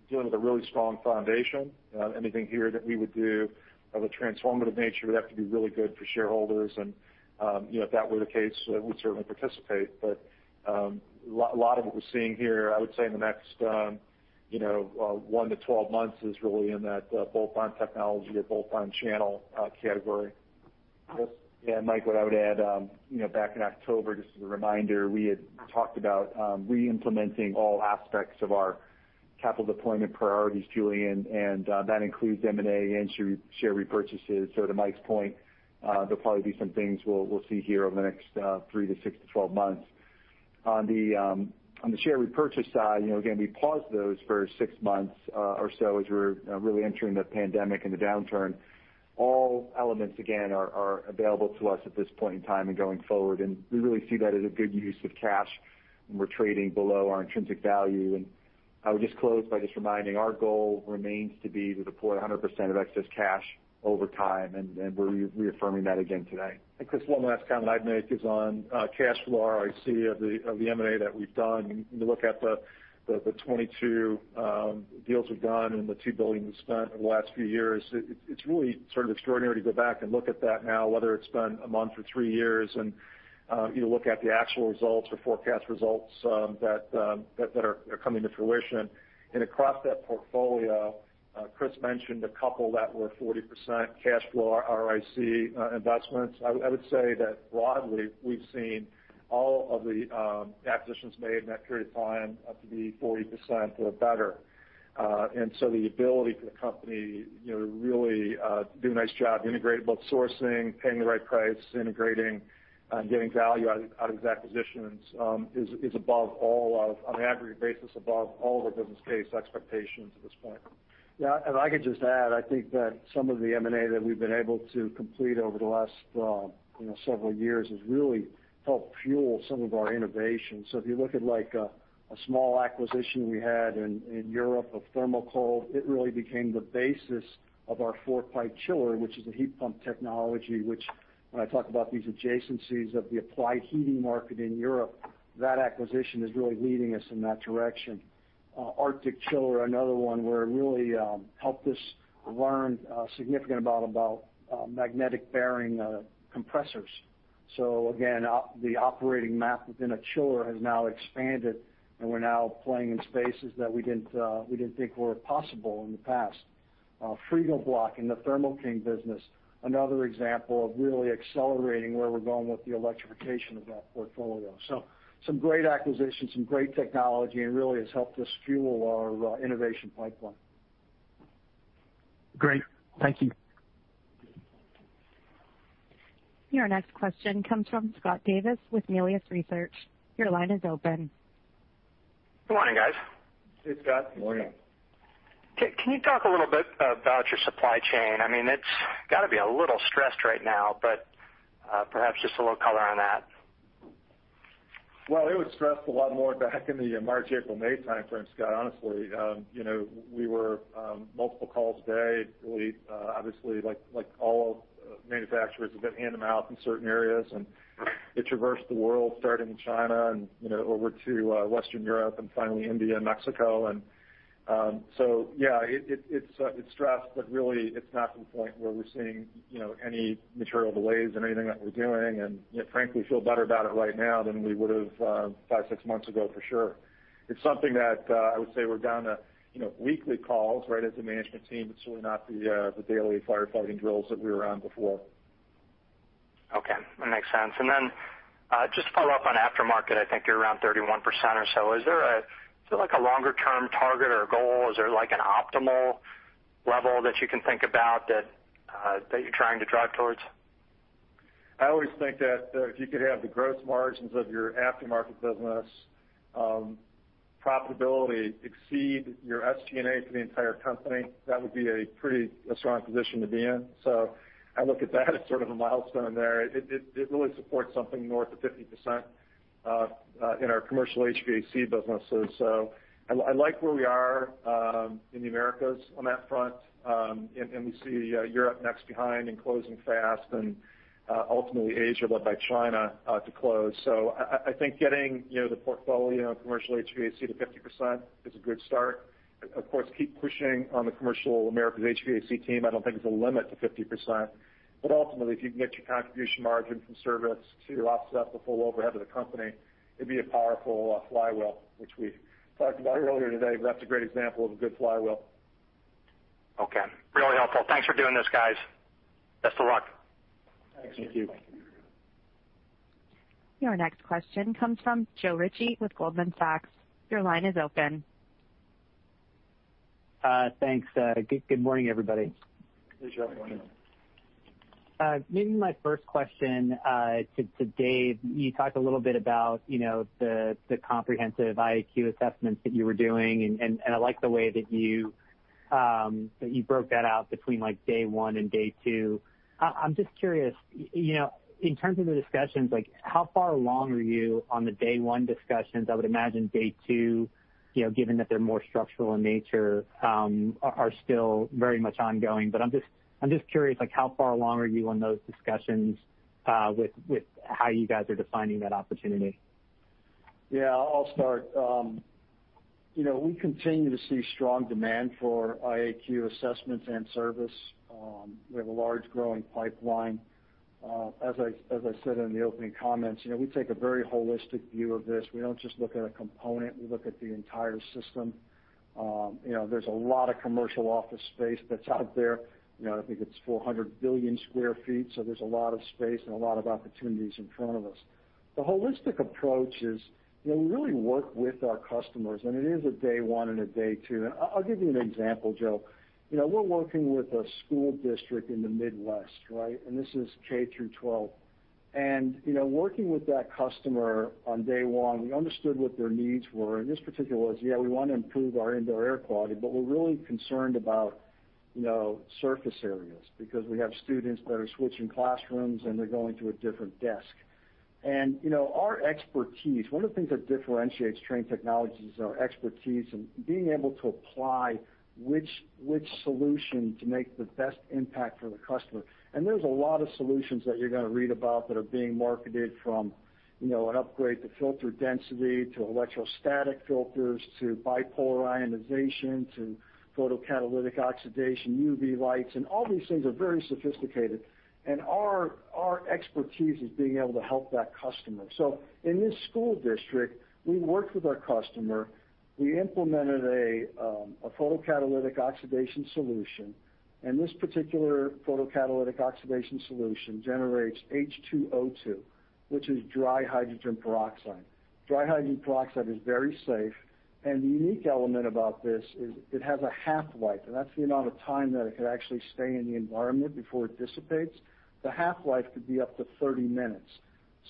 [SPEAKER 3] dealing with a really strong foundation. Anything here that we would do of a transformative nature would have to be really good for shareholders, and if that were the case, we'd certainly participate. A lot of what we're seeing here, I would say in the next one to 12 months, is really in that bolt-on technology or bolt-on channel category.
[SPEAKER 4] Yes. Mike, what I would add, back in October, just as a reminder, we had talked about re-implementing all aspects of our capital deployment priorities, Julian, and that includes M&A and share repurchases. To Mike's point, there'll probably be some things we'll see here over the next three to 6-12 months. On the share repurchase side, again, we paused those for six months or so as we were really entering the pandemic and the downturn. All elements, again, are available to us at this point in time and going forward, and we really see that as a good use of cash when we're trading below our intrinsic value. I would just close by just reminding our goal remains to be to deploy 100% of excess cash over time, and we're reaffirming that again today.
[SPEAKER 3] Chris, one last comment I'd make is on cash flow ROIC of the M&A that we've done. When you look at the 22 deals we've done and the $2 billion we've spent over the last few years, it's really sort of extraordinary to go back and look at that now, whether it's been a month or three years, and you look at the actual results or forecast results that are coming to fruition. Across that portfolio, Chris mentioned a couple that were 40% cash flow ROIC investments. I would say that broadly, we've seen all of the acquisitions made in that period of time up to be 40% or better. The ability for the company to really do a nice job integrating both sourcing, paying the right price, integrating, and getting value out of these acquisitions is above all of, on an aggregate basis, above all of our business case expectations at this point.
[SPEAKER 5] Yeah, if I could just add, I think that some of the M&A that we've been able to complete over the last several years has really helped fuel some of our innovation. If you look at a small acquisition we had in Europe of Thermocold, it really became the basis of our four-pipe chiller, which is a heat pump technology, which when I talk about these adjacencies of the applied heating market in Europe, that acquisition is really leading us in that direction. Arctic Chiller, another one where it really helped us learn a significant amount about magnetic bearing compressors. Again, the operating map within a chiller has now expanded, and we're now playing in spaces that we didn't think were possible in the past. Frigoblock in the Thermo King business, another example of really accelerating where we're going with the electrification of that portfolio. Some great acquisitions, some great technology, and really has helped us fuel our innovation pipeline.
[SPEAKER 8] Great. Thank you.
[SPEAKER 1] Your next question comes from Scott Davis with Melius Research. Your line is open.
[SPEAKER 9] Good morning, guys.
[SPEAKER 5] Hey, Scott.
[SPEAKER 3] Morning.
[SPEAKER 9] Can you talk a little bit about your supply chain? It's got to be a little stressed right now, but perhaps just a little color on that.
[SPEAKER 3] It was stressed a lot more back in the March, April, May timeframe, Scott, honestly. We were multiple calls a day. Obviously like all manufacturers, we've been hand-to-mouth in certain areas, and it traversed the world, starting in China and over to Western Europe and finally India and Mexico. Yeah, it's stressed, but really it's not to the point where we're seeing any material delays in anything that we're doing. Frankly, we feel better about it right now than we would've five, six months ago for sure. It's something that I would say we're down to weekly calls, right, as a management team. It's really not the daily firefighting drills that we were on before.
[SPEAKER 9] Okay. That makes sense. Just to follow up on aftermarket, I think you're around 31% or so. Is there a longer-term target or goal? Is there an optimal level that you can think about that you're trying to drive towards?
[SPEAKER 3] I always think that if you could have the gross margins of your aftermarket business profitability exceed your SG&A for the entire company, that would be a pretty strong position to be in. I look at that as sort of a milestone there. It really supports something north of 50% in our commercial HVAC business. I like where we are in the Americas on that front, and we see Europe next behind and closing fast and, ultimately, Asia, led by China, to close. I think getting the portfolio of commercial HVAC to 50% is a good start. Of course, keep pushing on the commercial Americas HVAC team. I don't think it's a limit to 50%, but ultimately, if you can get your contribution margin from service to offset the full overhead of the company, it'd be a powerful flywheel, which we talked about earlier today, but that's a great example of a good flywheel.
[SPEAKER 9] Okay. Really helpful. Thanks for doing this, guys. Best of luck.
[SPEAKER 3] Thank you.
[SPEAKER 1] Your next question comes from Joe Ritchie with Goldman Sachs. Your line is open.
[SPEAKER 10] Thanks. Good morning, everybody.
[SPEAKER 3] Good morning.
[SPEAKER 10] Maybe my first question to Dave, you talked a little bit about the comprehensive IAQ assessments that you were doing, and I like the way that you broke that out between day one and day two. I'm just curious, in terms of the discussions, how far along are you on the day one discussions? I would imagine day two, given that they're more structural in nature, are still very much ongoing. I'm just curious, how far along are you on those discussions, with how you guys are defining that opportunity?
[SPEAKER 3] Yeah, I'll start. We continue to see strong demand for IAQ assessments and service. We have a large growing pipeline. As I said in the opening comments, we take a very holistic view of this. We don't just look at a component. We look at the entire system. There's a lot of commercial office space that's out there. I think it's 400 billion sq ft. There's a lot of space and a lot of opportunities in front of us. The holistic approach is we really work with our customers, and it is a day one and a day two. I'll give you an example, Joe. We're working with a school district in the Midwest. This is K through 12. Working with that customer on day one, we understood what their needs were. This particular was, "Yeah, we want to improve our Indoor Air Quality, but we're really concerned about surface areas, because we have students that are switching classrooms and they're going to a different desk." Our expertise, one of the things that differentiates Trane Technologies is our expertise in being able to apply which solution to make the best impact for the customer. There's a lot of solutions that you're going to read about that are being marketed from an upgrade to filter density, to electrostatic filters, to bipolar ionization, to photocatalytic oxidation, UV lights. All these things are very sophisticated. Our expertise is being able to help that customer. In this school district, we worked with our customer. We implemented a photocatalytic oxidation solution. This particular photocatalytic oxidation solution generates H2O2, which is dry hydrogen peroxide. Dry hydrogen peroxide is very safe. The unique element about this is it has a half-life, and that's the amount of time that it could actually stay in the environment before it dissipates. The half-life could be up to 30 minutes.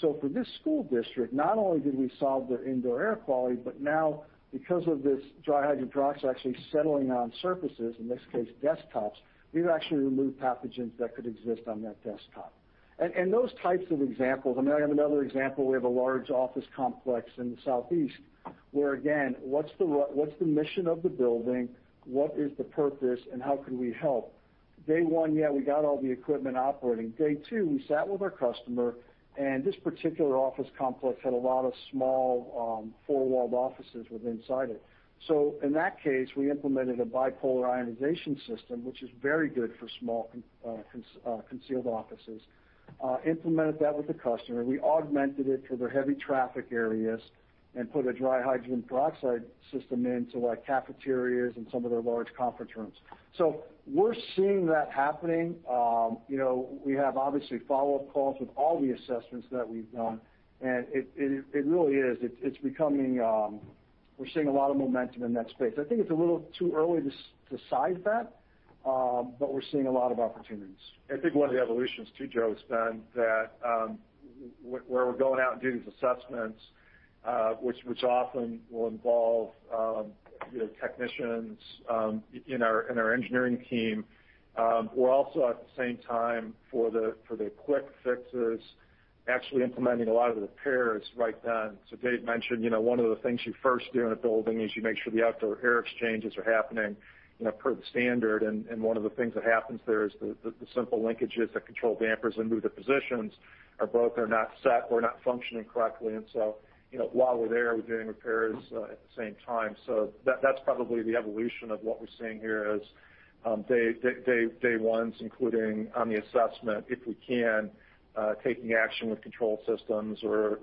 [SPEAKER 3] For this school district, not only did we solve their Indoor Air Quality, but now because of this dry hydrogen peroxide actually settling on surfaces, in this case desktops, we've actually removed pathogens that could exist on that desktop. Those types of examples, I have another example. We have a large office complex in the Southeast where, again, what's the mission of the building? What is the purpose and how can we help? Day one, yeah, we got all the equipment operating. Day two, we sat with our customer and this particular office complex had a lot of small, four-walled offices with inside it. In that case, we implemented a bipolar ionization system, which is very good for small concealed offices. Implemented that with the customer. We augmented it for their heavy traffic areas and put a dry hydrogen peroxide system into cafeterias and some of their large conference rooms. We're seeing that happening. We have obviously follow-up calls with all the assessments that we've done. It really is. We're seeing a lot of momentum in that space. I think it's a little too early to decide that, but we're seeing a lot of opportunities. I think one of the evolutions too, Joe, has been that where we're going out and doing these assessments, which often will involve technicians in our engineering team. We're also at the same time for the quick fixes, actually implementing a lot of the repairs right then. Dave mentioned, one of the things you first do in a building is you make sure the outdoor air exchanges are happening per the standard. One of the things that happens there is the simple linkages that control dampers and move to positions are broke or not set or not functioning correctly. While we're there, we're doing repairs at the same time. That's probably the evolution of what we're seeing here is day ones, including on the assessment, if we can, taking action with control systems or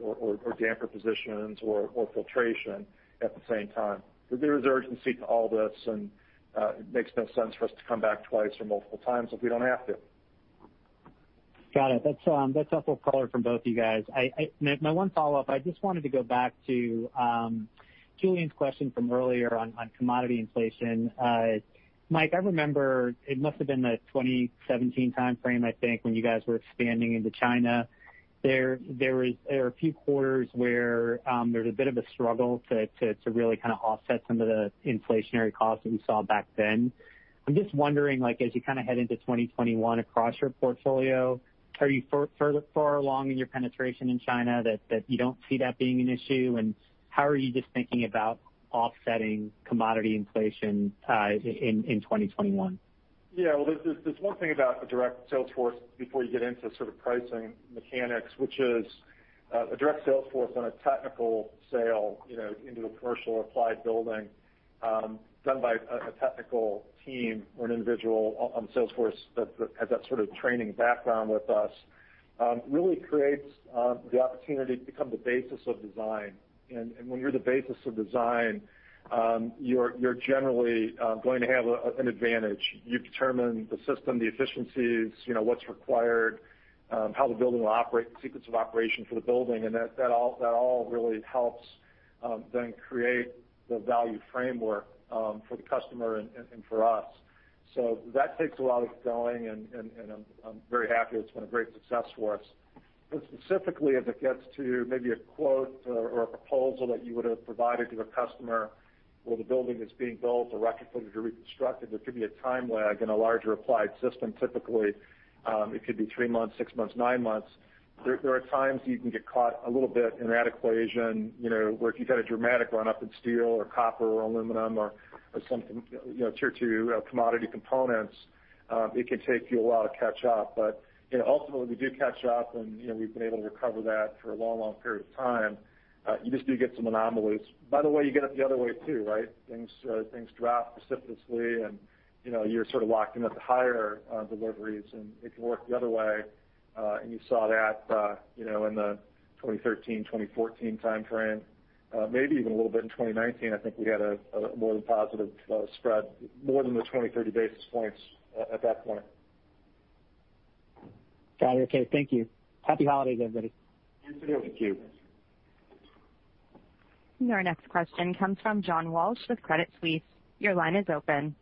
[SPEAKER 3] damper positions or filtration at the same time. There is urgency to all this, and it makes no sense for us to come back twice or multiple times if we don't have to.
[SPEAKER 10] Got it. That's helpful color from both you guys. My one follow-up, I just wanted to go back to Julian's question from earlier on commodity inflation. Mike, I remember it must've been the 2017 timeframe, I think, when you guys were expanding into China. There were a few quarters where there was a bit of a struggle to really kind of offset some of the inflationary costs that we saw back then. I'm just wondering, as you head into 2021 across your portfolio, are you far along in your penetration in China that you don't see that being an issue? How are you just thinking about offsetting commodity inflation in 2021?
[SPEAKER 3] Yeah. Well, there's one thing about a direct sales force before you get into sort of pricing mechanics, which is a direct sales force on a technical sale into a commercial or applied building, done by a technical team or an individual on the sales force that has that sort of training background with us, really creates the opportunity to become the basis of design. When you're the basis of design, you're generally going to have an advantage. You determine the system, the efficiencies, what's required, how the building will operate, the sequence of operation for the building, and that all really helps then create the value framework for the customer and for us. That takes a lot of going, and I'm very happy it's been a great success for us. Specifically, as it gets to maybe a quote or a proposal that you would've provided to a customer where the building is being built or retrofitted or reconstructed, there could be a time lag in a larger applied system, typically. It could be three months, six months, nine months. There are times you can get caught a little bit in that equation, where if you've had a dramatic run-up in steel or copper or aluminum or some Tier 2 commodity components, it can take you a while to catch up. Ultimately, we do catch up, and we've been able to recover that for a long period of time. You just do get some anomalies. By the way, you get it the other way, too, right? Things drop precipitously, and you're sort of locked in with the higher deliveries, and it can work the other way. You saw that in the 2013, 2014 timeframe. Maybe even a little bit in 2019, I think we had a more than positive spread, more than the 20, 30 basis points at that point.
[SPEAKER 10] Got it. Okay. Thank you. Happy holidays, everybody.
[SPEAKER 3] You, too. Thank you.
[SPEAKER 1] Our next question comes from John Walsh with Credit Suisse. Your line is open.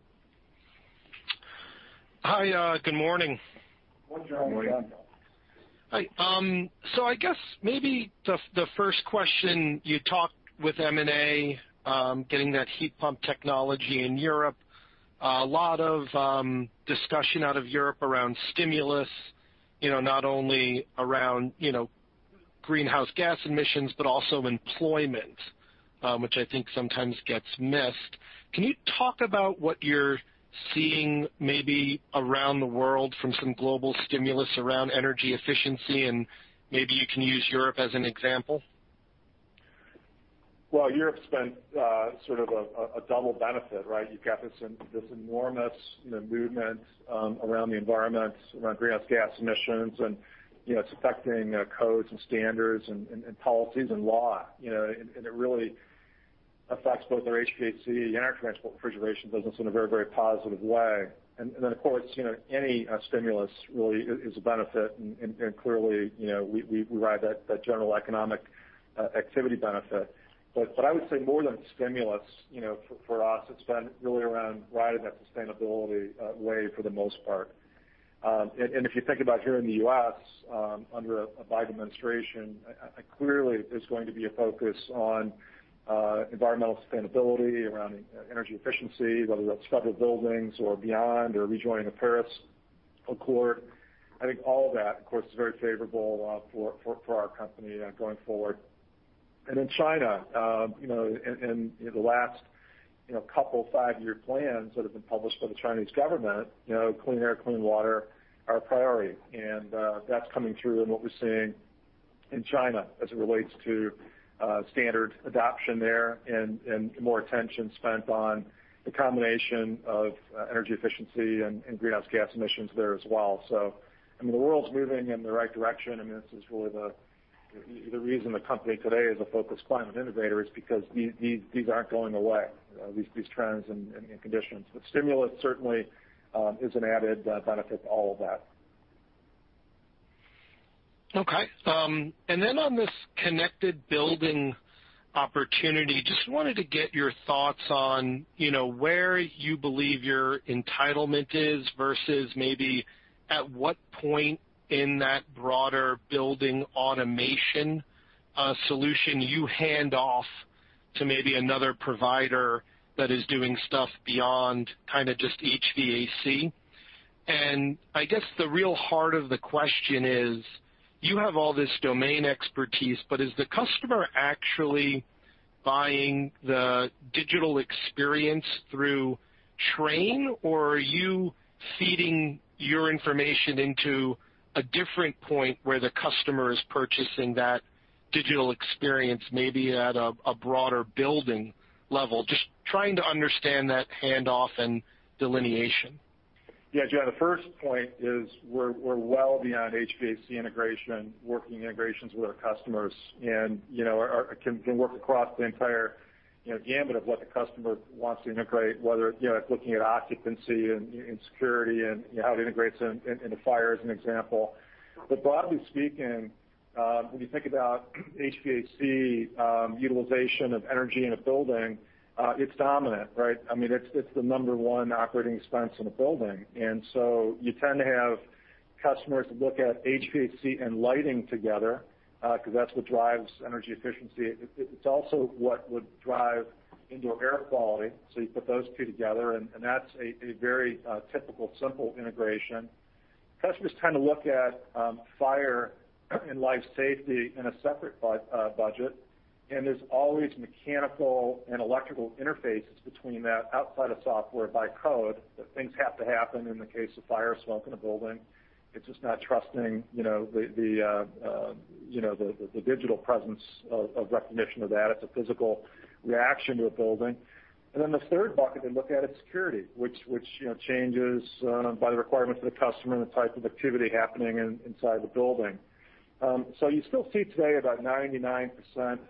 [SPEAKER 11] Hi. Good morning.
[SPEAKER 3] Good morning, John.
[SPEAKER 4] Morning.
[SPEAKER 11] Hi. I guess maybe the first question, you talked with M&A, getting that heat pump technology in Europe. A lot of discussion out of Europe around stimulus, not only around greenhouse gas emissions, but also employment, which I think sometimes gets missed. Can you talk about what you're seeing maybe around the world from some global stimulus around energy efficiency, and maybe you can use Europe as an example?
[SPEAKER 3] Well, Europe's been sort of a double benefit, right? You've got this enormous movement around the environment, around greenhouse gas emissions, and it's affecting codes and standards and policies and law. It really affects both our HVAC and our transport refrigeration business in a very positive way. Of course, any stimulus really is a benefit, and clearly, we ride that general economic activity benefit. What I would say more than stimulus, for us, it's been really around riding that sustainability wave for the most part. If you think about here in the U.S., under a Biden administration, clearly there's going to be a focus on environmental sustainability around energy efficiency, whether that's federal buildings or beyond or rejoining the Paris Agreement. I think all that, of course, is very favorable for our company going forward. In China, in the last couple of five-year plans that have been published by the Chinese government, clean air, clean water are a priority. That's coming through in what we're seeing in China as it relates to standard adoption there and more attention spent on the combination of energy efficiency and greenhouse gas emissions there as well. I mean, the world's moving in the right direction, and this is really the reason the company today is a focused climate innovator, is because these aren't going away, these trends and conditions. Stimulus certainly is an added benefit to all of that.
[SPEAKER 11] Okay. on this connected building opportunity, just wanted to get your thoughts on where you believe your entitlement is versus maybe at what point in that broader building automation solution you hand off to maybe another provider that is doing stuff beyond kind of just HVAC. I guess the real heart of the question is: you have all this domain expertise, but is the customer actually buying the digital experience through Trane, or are you feeding your information into a different point where the customer is purchasing that digital experience, maybe at a broader building level? Just trying to understand that handoff and delineation.
[SPEAKER 3] Yeah, John, the first point is we're well beyond HVAC integration, working integrations with our customers, and can work across the entire gamut of what the customer wants to integrate, whether it's looking at occupancy and security and how it integrates into fire, as an example. broadly speaking, when you think about HVAC utilization of energy in a building, it's dominant, right? It's the number one operating expense in a building. you tend to have customers that look at HVAC and lighting together, because that's what drives energy efficiency. It's also what would drive indoor air quality. you put those two together, and that's a very typical, simple integration. Customers tend to look at fire and life safety in a separate budget, and there's always mechanical and electrical interfaces between that outside of software by code, that things have to happen in the case of fire or smoke in a building. It's just not trusting the digital presence of recognition of that. It's a physical reaction to a building. The third bucket they look at is security, which changes by the requirements of the customer and the type of activity happening inside the building. You still see today about 99%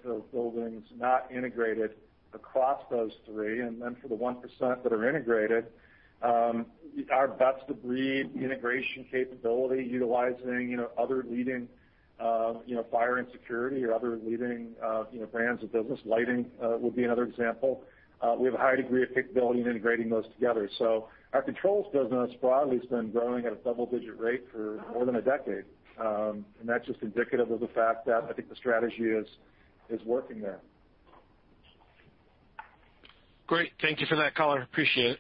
[SPEAKER 3] of buildings not integrated across those three. For the 1% that are integrated, our best-of-breed integration capability utilizing other leading fire and security or other leading brands of business. Lighting will be another example. We have a high degree of capability in integrating those together. Our controls business broadly has been growing at a double-digit rate for more than a decade. That's just indicative of the fact that I think the strategy is working there.
[SPEAKER 11] Great. Thank you for that color. Appreciate it.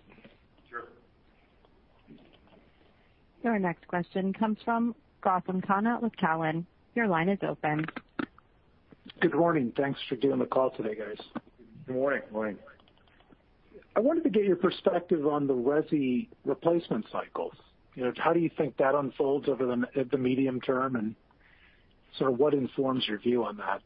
[SPEAKER 1] Your next question comes from Gautam Khanna with Cowen. Your line is open.
[SPEAKER 12] Good morning. Thanks for giving the call today, guys.
[SPEAKER 3] Good morning.
[SPEAKER 4] Morning.
[SPEAKER 12] I wanted to get your perspective on the resi replacement cycles. How do you think that unfolds over the medium term, and sort of what informs your view on that?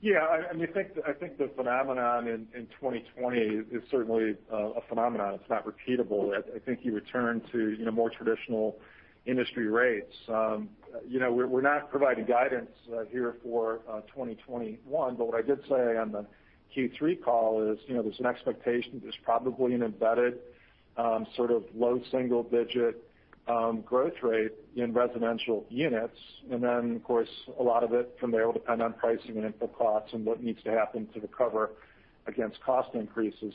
[SPEAKER 3] Yeah, I think the phenomenon in 2020 is certainly a phenomenon. It's not repeatable. I think you return to more traditional industry rates. We're not providing guidance here for 2021, but what I did say on the Q3 call is, there's an expectation there's probably an embedded sort of low single digit growth rate in residential units. Then, of course, a lot of it from there will depend on pricing and input costs and what needs to happen to recover against cost increases.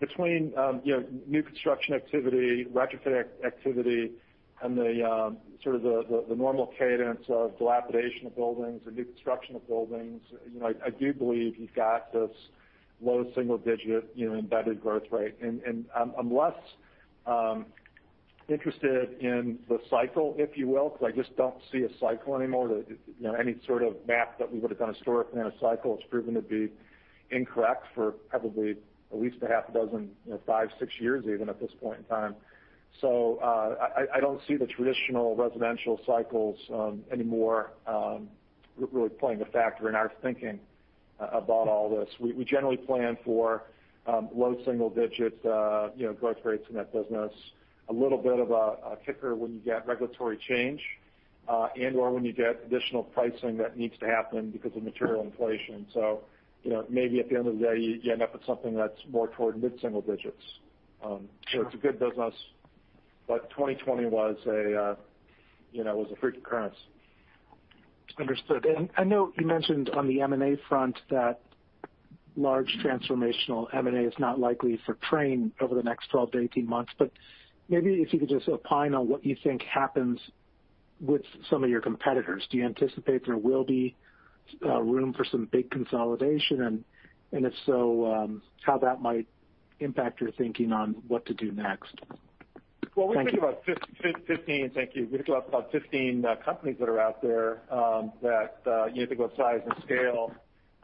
[SPEAKER 3] Between new construction activity, retrofit activity, and the sort of the normal cadence of dilapidation of buildings or new construction of buildings, I do believe you've got this low single digit embedded growth rate. I'm less interested in the cycle, if you will, because I just don't see a cycle anymore. Any sort of map that we would have done historically on a cycle has proven to be incorrect for probably at least a half a dozen, five, six years even, at this point in time. I don't see the traditional residential cycles anymore really playing a factor in our thinking about all this. We generally plan for low single digits growth rates in that business. A little bit of a kicker when you get regulatory change, and/or when you get additional pricing that needs to happen because of material inflation. Maybe at the end of the day, you end up with something that's more toward mid-single digits.
[SPEAKER 12] Sure.
[SPEAKER 3] it's a good business, but 2020 was a freak occurrence.
[SPEAKER 12] Understood. I know you mentioned on the M&A front that large transformational M&A is not likely for Trane over the next 12-18 months. Maybe if you could just opine on what you think happens with some of your competitors. Do you anticipate there will be room for some big consolidation? If so, how that might impact your thinking on what to do next? Thank you.
[SPEAKER 3] Well, when you think about 15, thank you, when you think about 15 companies that are out there, that you think about size and scale,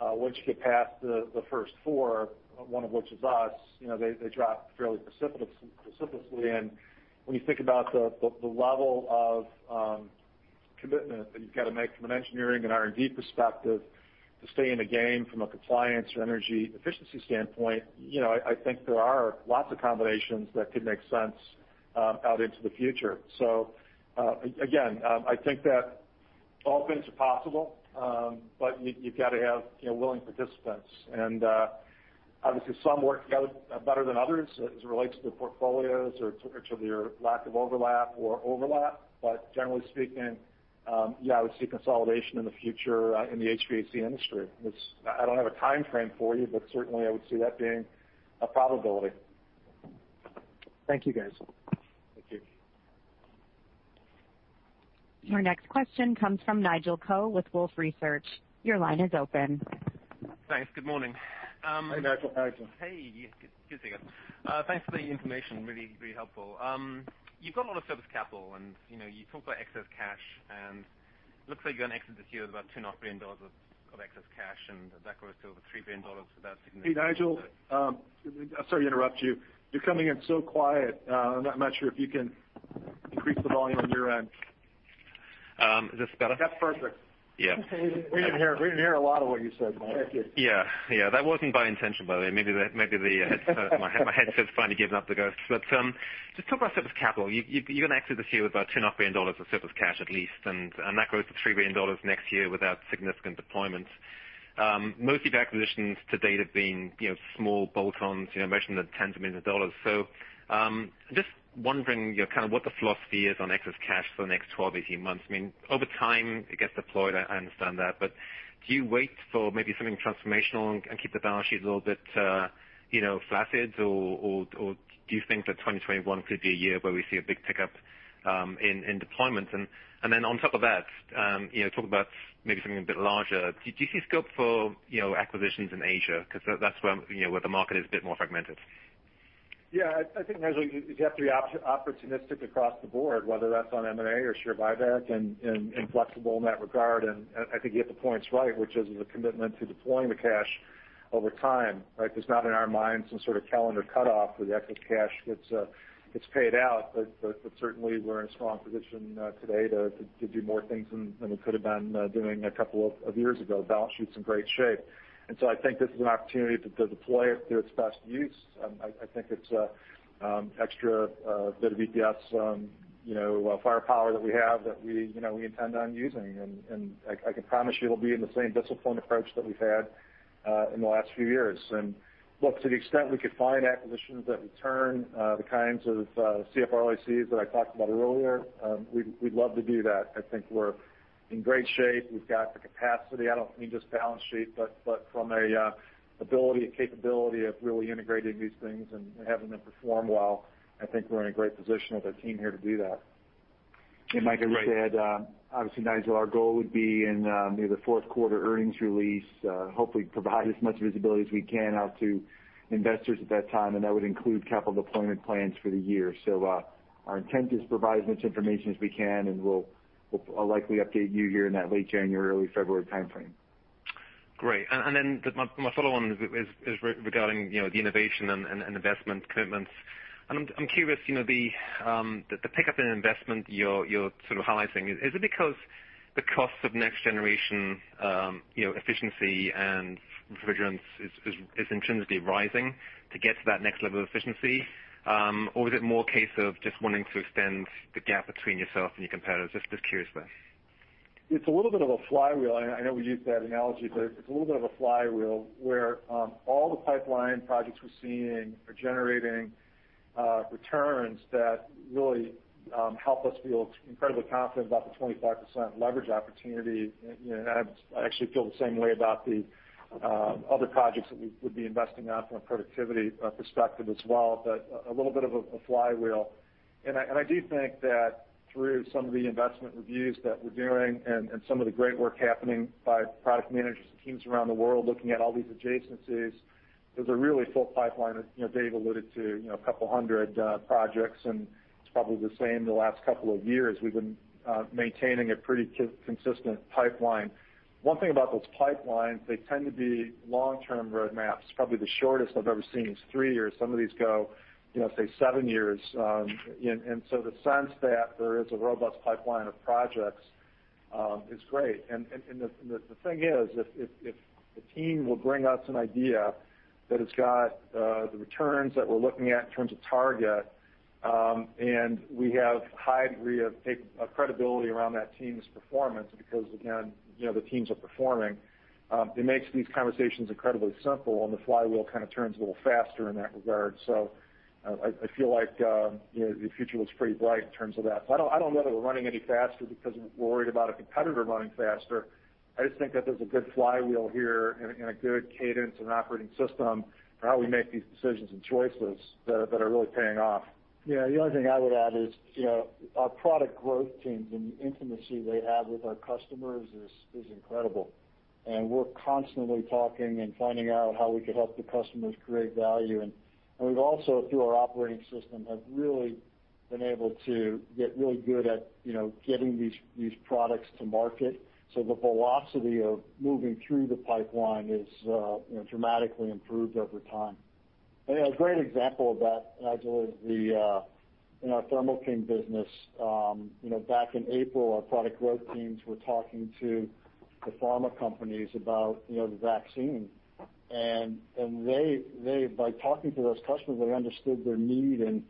[SPEAKER 3] once you get past the first four, one of which is us, they drop fairly precipitously. When you think about the level of commitment that you've got to make from an engineering and R&D perspective to stay in the game from a compliance or energy efficiency standpoint, I think there are lots of combinations that could make sense out into the future. Again, I think that all things are possible. You've got to have willing participants. Obviously some work together better than others as it relates to their portfolios or to their lack of overlap or overlap. Generally speaking, yeah, I would see consolidation in the future, in the HVAC industry. I don't have a timeframe for you, but certainly I would see that being a probability.
[SPEAKER 12] Thank you, guys.
[SPEAKER 3] Thank you.
[SPEAKER 1] Your next question comes from Nigel Coe with Wolfe Research. Your line is open.
[SPEAKER 13] Thanks. Good morning.
[SPEAKER 3] Hey, Nigel. How are you?
[SPEAKER 13] Hey. Good, thanks. Thanks for the information. Really helpful. You've got a lot of service capital, and you talk about excess cash, and looks like you're going to exit this year with about $2.5 billion of excess cash, and that grows to over $3 billion without significant.
[SPEAKER 3] Hey, Nigel. Sorry to interrupt you. You're coming in so quiet. I'm not sure if you can increase the volume on your end
[SPEAKER 13] Is this better?
[SPEAKER 3] That's perfect.
[SPEAKER 13] Yeah.
[SPEAKER 3] We didn't hear a lot of what you said, Mike. Thank you.
[SPEAKER 13] Yeah. That wasn't by intention, by the way. Maybe my headset's finally given up the ghost. Just talk about surplus capital. You're going to exit this year with about $10 billion of surplus cash, at least. That grows to $3 billion next year without significant deployments. Most of your acquisitions to date have been small bolt-ons, I imagine in the tens of millions of dollars. Just wondering what the philosophy is on excess cash for the next 12, 18 months. Over time it gets deployed, I understand that, but do you wait for maybe something transformational and keep the balance sheet a little bit flaccid? Do you think that 2021 could be a year where we see a big pickup in deployments? On top of that, talk about maybe something a bit larger. Do you see scope for acquisitions in Asia? That's where the market is a bit more fragmented.
[SPEAKER 3] Yeah. I think, Nigel, you have to be opportunistic across the board, whether that's on M&A or share buyback, and flexible in that regard. I think you hit the points right, which is the commitment to deploying the cash over time. There's not in our minds some sort of calendar cutoff where the excess cash gets paid out. Certainly, we're in a strong position today to do more things than we could have been doing a couple of years ago. Balance sheet's in great shape. I think this is an opportunity to deploy it to its best use. I think it's an extra bit of EPS firepower that we have that we intend on using. I can promise you it'll be in the same disciplined approach that we've had in the last few years.
[SPEAKER 4] Look, to the extent we could find acquisitions that return the kinds of CFROICs that I talked about earlier, we'd love to do that. I think we're in great shape. We've got the capacity. I don't mean just balance sheet, but from an ability and capability of really integrating these things and having them perform well, I think we're in a great position with our team here to do that. Mike, as we said, obviously, Nigel, our goal would be in the fourth quarter earnings release, hopefully provide as much visibility as we can out to investors at that time, and that would include capital deployment plans for the year. our intent is to provide as much information as we can, and I'll likely update you here in that late January, early February timeframe.
[SPEAKER 13] Great. my follow-on is regarding the innovation and investment commitments. I'm curious, the pickup in investment you're highlighting, is it because the cost of next generation efficiency and refrigerants is intrinsically rising to get to that next level of efficiency? Or is it more a case of just wanting to extend the gap between yourself and your competitors? Just curious there.
[SPEAKER 3] It's a little bit of a flywheel. I know we use that analogy, but it's a little bit of a flywheel where all the pipeline projects we're seeing are generating returns that really help us feel incredibly confident about the 25% leverage opportunity. I actually feel the same way about the other projects that we would be investing in from a productivity perspective as well. A little bit of a flywheel. I do think that through some of the investment reviews that we're doing and some of the great work happening by product managers and teams around the world looking at all these adjacencies, there's a really full pipeline that Dave alluded to, a couple of hundred projects, and it's probably the same the last couple of years. We've been maintaining a pretty consistent pipeline. One thing about those pipelines, they tend to be long-term roadmaps. Probably the shortest I've ever seen is three years. Some of these go, say, seven years. The sense that there is a robust pipeline of projects is great. The thing is, if the team will bring us an idea that has got the returns that we're looking at in terms of target, and we have a high degree of credibility around that team's performance because, again, the teams are performing, it makes these conversations incredibly simple, and the flywheel kind of turns a little faster in that regard. I feel like the future looks pretty bright in terms of that. I don't know that we're running any faster because we're worried about a competitor running faster. I just think that there's a good flywheel here and a good cadence and operating system for how we make these decisions and choices that are really paying off.
[SPEAKER 5] Yeah. The only thing I would add is our product growth teams and the intimacy they have with our customers is incredible. We're constantly talking and finding out how we could help the customers create value. We've also, through our operating system, have really been able to get really good at getting these products to market. The velocity of moving through the pipeline is dramatically improved over time. A great example of that, Nigel, is in our Thermo King business. Back in April, our product growth teams were talking to the pharma companies about the vaccine. By talking to those customers, they understood their need, and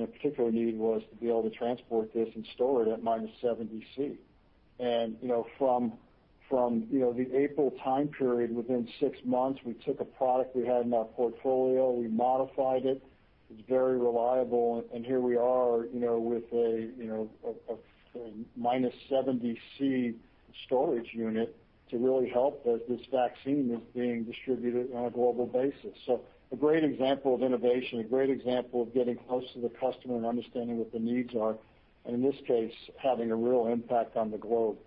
[SPEAKER 5] a particular need was to be able to transport this and store it at -70 degrees Celsius. From the April time period, within six months, we took a product we had in our portfolio, we modified it. It's very reliable. Here we are with a -70 degrees Celsius storage unit to really help as this vaccine is being distributed on a global basis. A great example of innovation, a great example of getting close to the customer and understanding what their needs are, and in this case, having a real impact on the globe.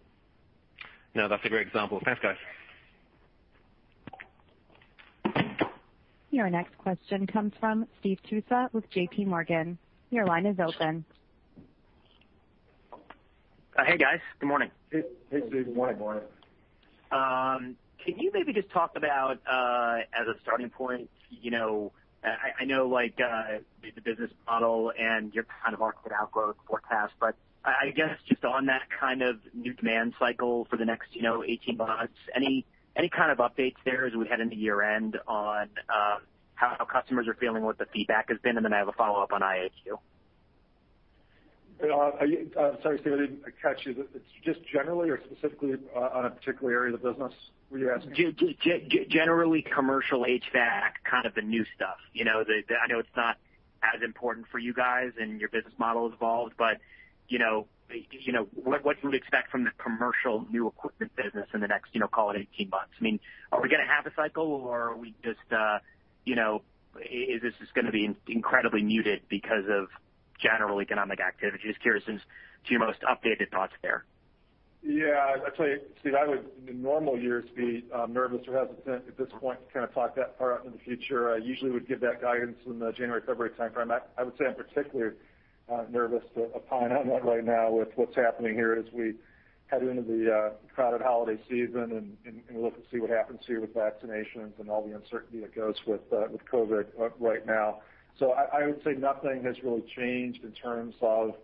[SPEAKER 13] No, that's a great example. Thanks, guys.
[SPEAKER 1] Your next question comes from Steve Tusa with JPMorgan. Your line is open.
[SPEAKER 14] Hey, guys. Good morning.
[SPEAKER 3] Hey, Steve. Good morning.
[SPEAKER 14] Can you maybe just talk about, as a starting point, I know the business model and your kind of outlook or forecast, but I guess just on that kind of new demand cycle for the next 18 months, any kind of updates there as we head into year-end on how customers are feeling, what the feedback has been? I have a follow-up on IAQ.
[SPEAKER 3] Sorry, Steve, I didn't catch you. Just generally or specifically on a particular area of the business, were you asking?
[SPEAKER 14] Generally, commercial HVAC, kind of the new stuff. I know it's not as important for you guys and your business model involved, but what do we expect from the commercial new equipment business in the next, call it 18 months? I mean, are we going to have a cycle, or is this just going to be incredibly muted because of general economic activity? Just curious as to your most updated thoughts there.
[SPEAKER 3] Yeah. Actually, Steve, I would, in a normal year, be nervous or hesitant at this point to kind of talk that far out in the future. I usually would give that guidance in the January, February timeframe. I would say I'm particularly nervous to opine on that right now with what's happening here as we head into the crowded holiday season and look to see what happens here with vaccinations and all the uncertainty that goes with COVID right now. I would say nothing has really changed in terms of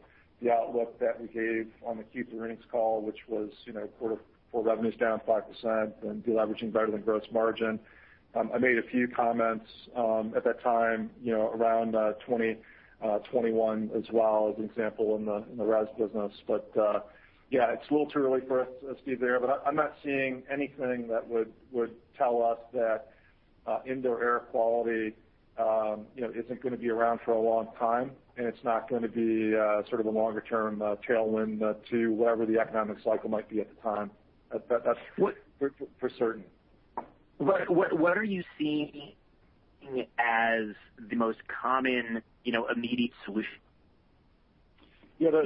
[SPEAKER 3] the outlook that we gave on the Q3 earnings call, which was quarter four revenues down 5% and deleveraging better than gross margin. I made a few comments at that time around 2021 as well, as an example in the res business. Yeah, it's a little too early for us to be there, but I'm not seeing anything that would tell us that indoor air quality isn't going to be around for a long time, and it's not going to be sort of a longer-term tailwind to whatever the economic cycle might be at the time. That's for certain.
[SPEAKER 14] What are you seeing as the most common immediate solution?
[SPEAKER 3] Yeah, the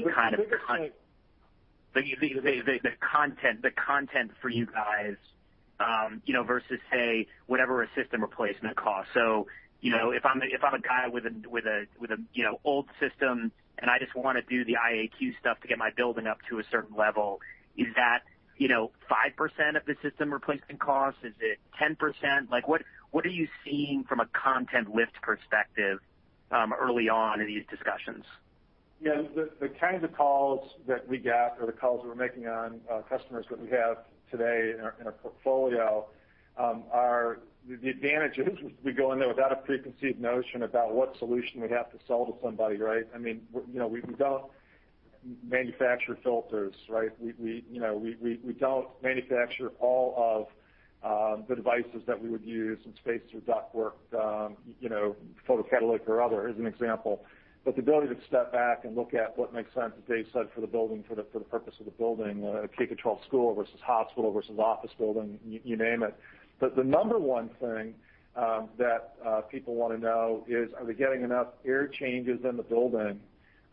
[SPEAKER 3] biggest thing.
[SPEAKER 14] The content for you guys, versus, say, whatever a system replacement costs. If I'm a guy with an old system and I just want to do the IAQ stuff to get my building up to a certain level, is that 5% of the system replacement cost? Is it 10%? What are you seeing from a content lift perspective early on in these discussions?
[SPEAKER 3] Yeah. The kinds of calls that we get or the calls that we're making on customers that we have today in our portfolio are, the advantage is we go in there without a preconceived notion about what solution we have to sell to somebody, right? We don't manufacture filters, right? We don't manufacture all of the devices that we would use in space through ductwork, photocatalytic or other, as an example. The ability to step back and look at what makes sense, as Dave said, for the building, for the purpose of the building, a K through 12 school versus hospital versus office building, you name it. The number one thing that people want to know is, are they getting enough air changes in the building?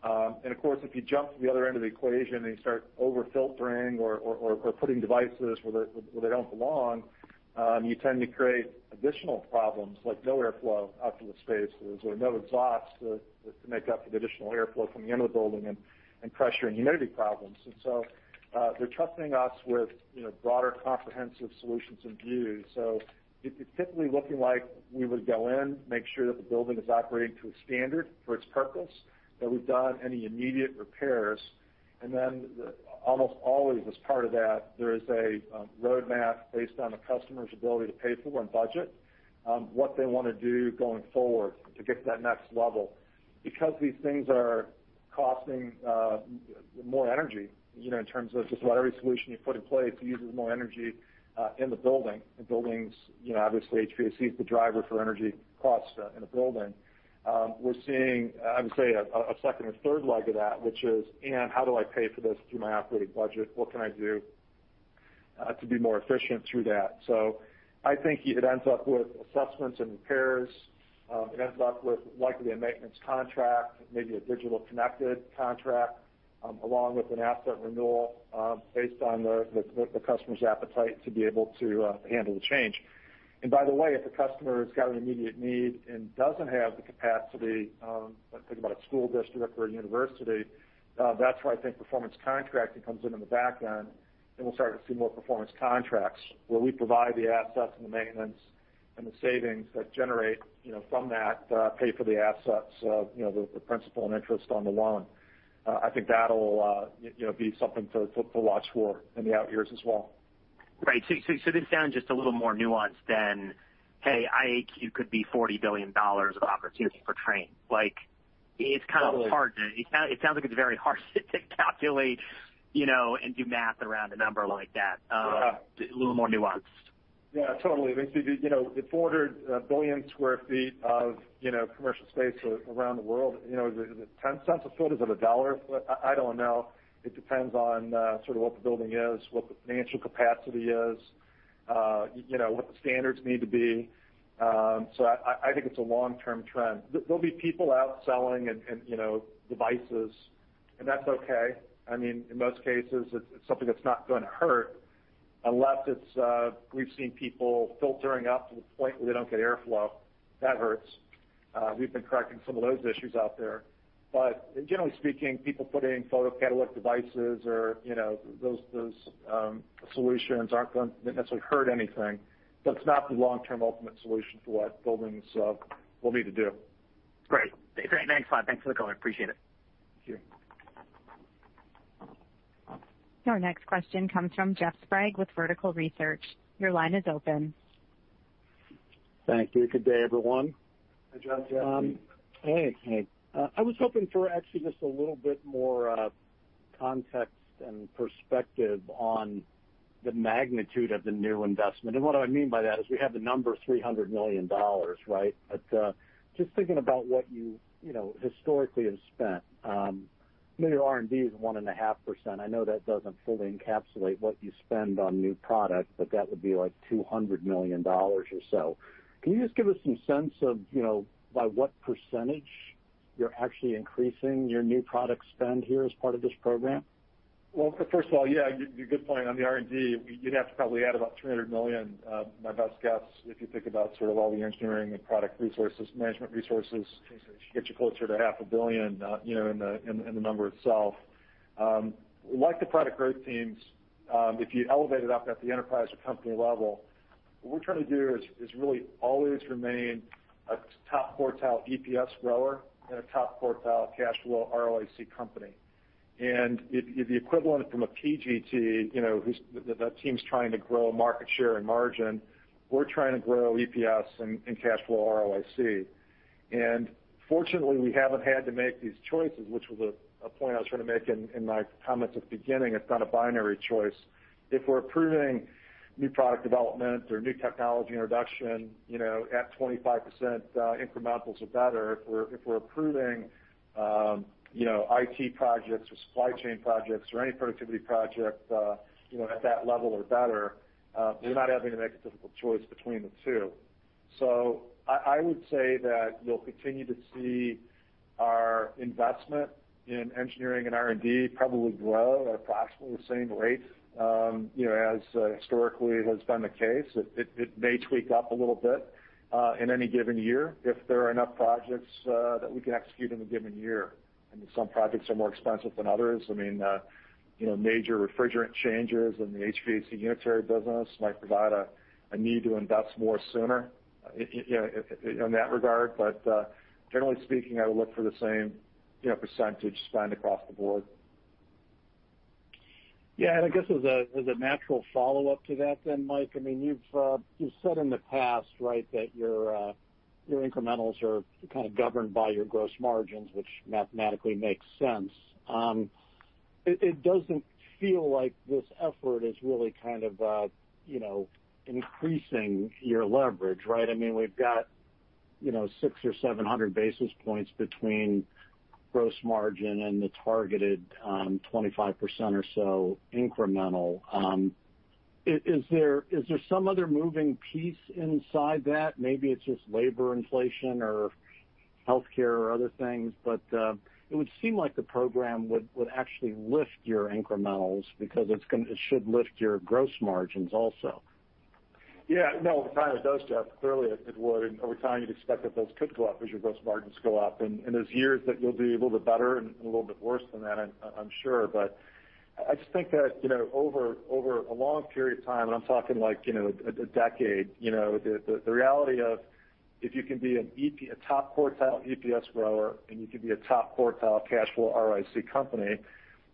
[SPEAKER 3] Of course, if you jump to the other end of the equation and you start over-filtering or putting devices where they don't belong, you tend to create additional problems like no airflow out to the spaces or no exhaust to make up for the additional airflow coming into the building and pressure and humidity problems. They're trusting us with broader comprehensive solutions and views. It's typically looking like we would go in, make sure that the building is operating to a standard for its purpose, that we've done any immediate repairs, and then almost always as part of that, there is a roadmap based on the customer's ability to pay for and budget what they want to do going forward to get to that next level. Because these things are costing more energy, in terms of just about every solution you put in place uses more energy in the building. Buildings, obviously HVAC is the driver for energy costs in a building. We're seeing, I would say, a second or third leg of that, which is, and how do I pay for this through my operating budget? What can I do to be more efficient through that? I think it ends up with assessments and repairs. It ends up with likely a maintenance contract, maybe a digital connected contract, along with an asset renewal based on the customer's appetite to be able to handle the change. By the way, if a customer's got an immediate need and doesn't have the capacity, think about a school district or a university, that's where I think performance contracting comes in in the back end, and we'll start to see more performance contracts where we provide the assets and the maintenance and the savings that generate from that pay for the assets of the principal and interest on the loan. I think that'll be something to watch for in the out years as well.
[SPEAKER 14] Right. this sounds just a little more nuanced than, hey, IAQ could be $40 billion of opportunity for Trane. It sounds like it's very hard to calculate and do math around a number like that.
[SPEAKER 3] Yeah.
[SPEAKER 14] A little more nuanced.
[SPEAKER 3] Yeah, totally. If 400 billion square feet of commercial space around the world, is it 10 cents a foot? Is it a dollar a foot? I don't know. It depends on sort of what the building is, what the financial capacity is, what the standards need to be. I think it's a long-term trend. There'll be people out selling devices, and that's okay. In most cases, it's something that's not going to hurt unless it's we've seen people filtering up to the point where they don't get airflow. That hurts. We've been correcting some of those issues out there. Generally speaking, people putting photocatalytic devices or those solutions didn't necessarily hurt anything, but it's not the long-term ultimate solution for what buildings will need to do.
[SPEAKER 14] Great. Thanks, Mike. Thanks for the call. I appreciate it.
[SPEAKER 3] Thank you.
[SPEAKER 1] Your next question comes from Jeff Sprague with Vertical Research. Your line is open.
[SPEAKER 15] Thank you. Good day, everyone.
[SPEAKER 3] Hi, Jeff.
[SPEAKER 15] Hey. I was hoping for actually just a little bit more context and perspective on the magnitude of the new investment. What I mean by that is we have the number $300 million, right? Just thinking about what you historically have spent. I know your R&D is 1.5%. I know that doesn't fully encapsulate what you spend on new product, but that would be like $200 million or so. Can you just give us some sense of by what percentage you're actually increasing your new product spend here as part of this program?
[SPEAKER 3] Well, first of all, yeah, good point. On the R&D, you'd have to probably add about $300 million, my best guess, if you think about sort of all the engineering and product resources, management resources, gets you closer to half a billion, in the number itself. Like the product growth teams, if you elevate it up at the enterprise or company level, what we're trying to do is really always remain a top quartile EPS grower and a top quartile cash flow ROIC company. the equivalent from a PGT, that team's trying to grow market share and margin. We're trying to grow EPS and cash flow ROIC. fortunately, we haven't had to make these choices, which was a point I was trying to make in my comments at the beginning. It's not a binary choice. If we're approving new product development or new technology introduction, at 25% incrementals or better, if we're approving IT projects or supply chain projects or any productivity project at that level or better, we're not having to make a difficult choice between the two. I would say that you'll continue to see our investment in engineering and R&D probably grow at approximately the same rate, as historically has been the case. It may tweak up a little bit in any given year if there are enough projects that we can execute in a given year. I mean, some projects are more expensive than others. Major refrigerant changes in the HVAC unitary business might provide a need to invest more sooner in that regard. Generally speaking, I would look for the same percentage spend across the board.
[SPEAKER 15] Yeah, I guess as a natural follow-up to that then, Mike, you've said in the past that your incrementals are kind of governed by your gross margins, which mathematically makes sense. It doesn't feel like this effort is really kind of increasing your leverage, right? We've got 600 or 700 basis points between gross margin and the targeted 25% or so incremental. Is there some other moving piece inside that? Maybe it's just labor inflation or healthcare or other things, but it would seem like the program would actually lift your incrementals because it should lift your gross margins also.
[SPEAKER 3] Yeah, no, it kind of does, Jeff. Clearly, it would, and over time, you'd expect that those could go up as your gross margins go up, and there's years that you'll be a little bit better and a little bit worse than that, I'm sure. I just think that over a long period of time, and I'm talking like a decade, the reality of if you can be a top quartile EPS grower and you can be a top quartile cash flow ROIC company,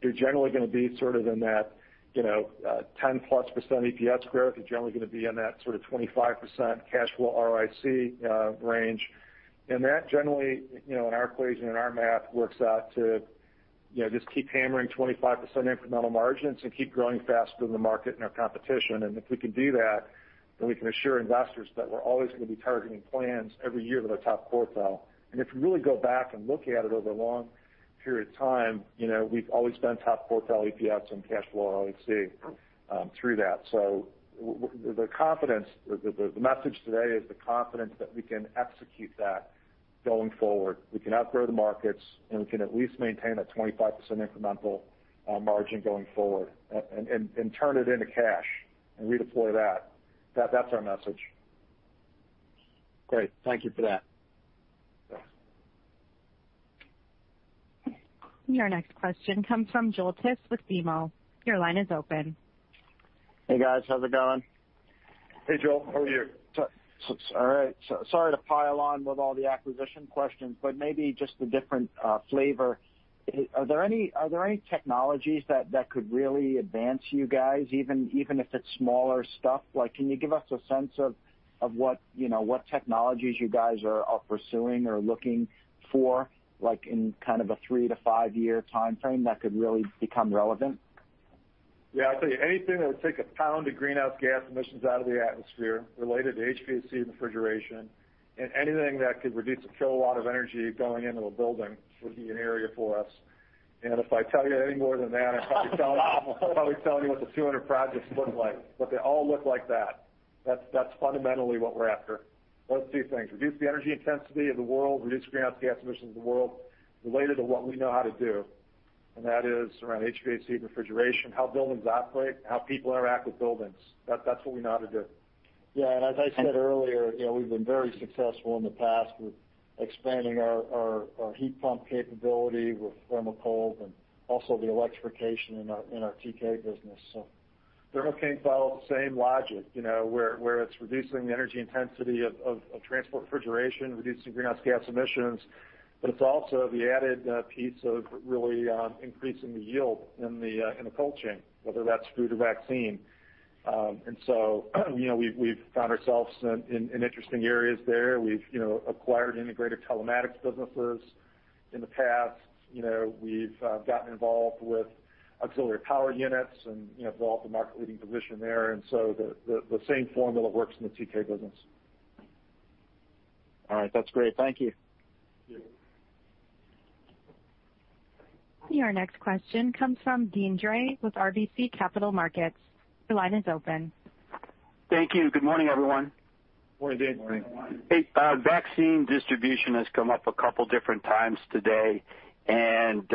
[SPEAKER 3] you're generally gonna be sort of in that 10%+ EPS growth. You're generally gonna be in that sort of 25% cash flow ROIC range. that generally, in our equation, in our math, works out to just keep hammering 25% incremental margins and keep growing faster than the market and our competition. If we can do that, then we can assure investors that we're always going to be targeting plans every year that are top quartile. If you really go back and look at it over a long period of time, we've always been top quartile EPS and cash flow ROIC through that. The message today is the confidence that we can execute that going forward. We can outgrow the markets, and we can at least maintain a 25% incremental margin going forward and turn it into cash and redeploy that. That's our message.
[SPEAKER 15] Great. Thank you for that.
[SPEAKER 1] Your next question comes from Joel Tiss with BMO. Your line is open.
[SPEAKER 16] Hey, guys. How's it going?
[SPEAKER 3] Hey, Joel. How are you?
[SPEAKER 16] All right. Sorry to pile on with all the acquisition questions, but maybe just a different flavor. Are there any technologies that could really advance you guys, even if it's smaller stuff? Can you give us a sense of what technologies you guys are pursuing or looking for, like in kind of a three-five-year timeframe that could really become relevant?
[SPEAKER 3] Yeah, I'll tell you, anything that would take a pound of greenhouse gas emissions out of the atmosphere related to HVAC and refrigeration and anything that could reduce a kilowatt of energy going into a building would be an area for us. If I tell you any more than that I'm probably telling you what the 200 projects look like, but they all look like that. That's fundamentally what we're after. Those two things, reduce the energy intensity of the world, reduce greenhouse gas emissions of the world related to what we know how to do. That is around HVAC refrigeration, how buildings operate, and how people interact with buildings. That's what we know how to do.
[SPEAKER 5] Yeah, as I said earlier, we've been very successful in the past with expanding our heat pump capability with Thermocold, and also the electrification in our TK business.
[SPEAKER 3] Thermo King follows the same logic, where it's reducing the energy intensity of transport refrigeration, reducing greenhouse gas emissions, but it's also the added piece of really increasing the yield in the cold chain, whether that's food or vaccine. We've found ourselves in interesting areas there. We've acquired integrated telematics businesses in the past. We've gotten involved with auxiliary power units and developed a market-leading position there. The same formula works in the TK business.
[SPEAKER 16] All right. That's great. Thank you.
[SPEAKER 3] Yeah.
[SPEAKER 1] Your next question comes from Deane Dray with RBC Capital Markets. Your line is open.
[SPEAKER 17] Thank you. Good morning, everyone.
[SPEAKER 5] Morning, Deane.
[SPEAKER 17] Hey, vaccine distribution has come up a couple different times today, and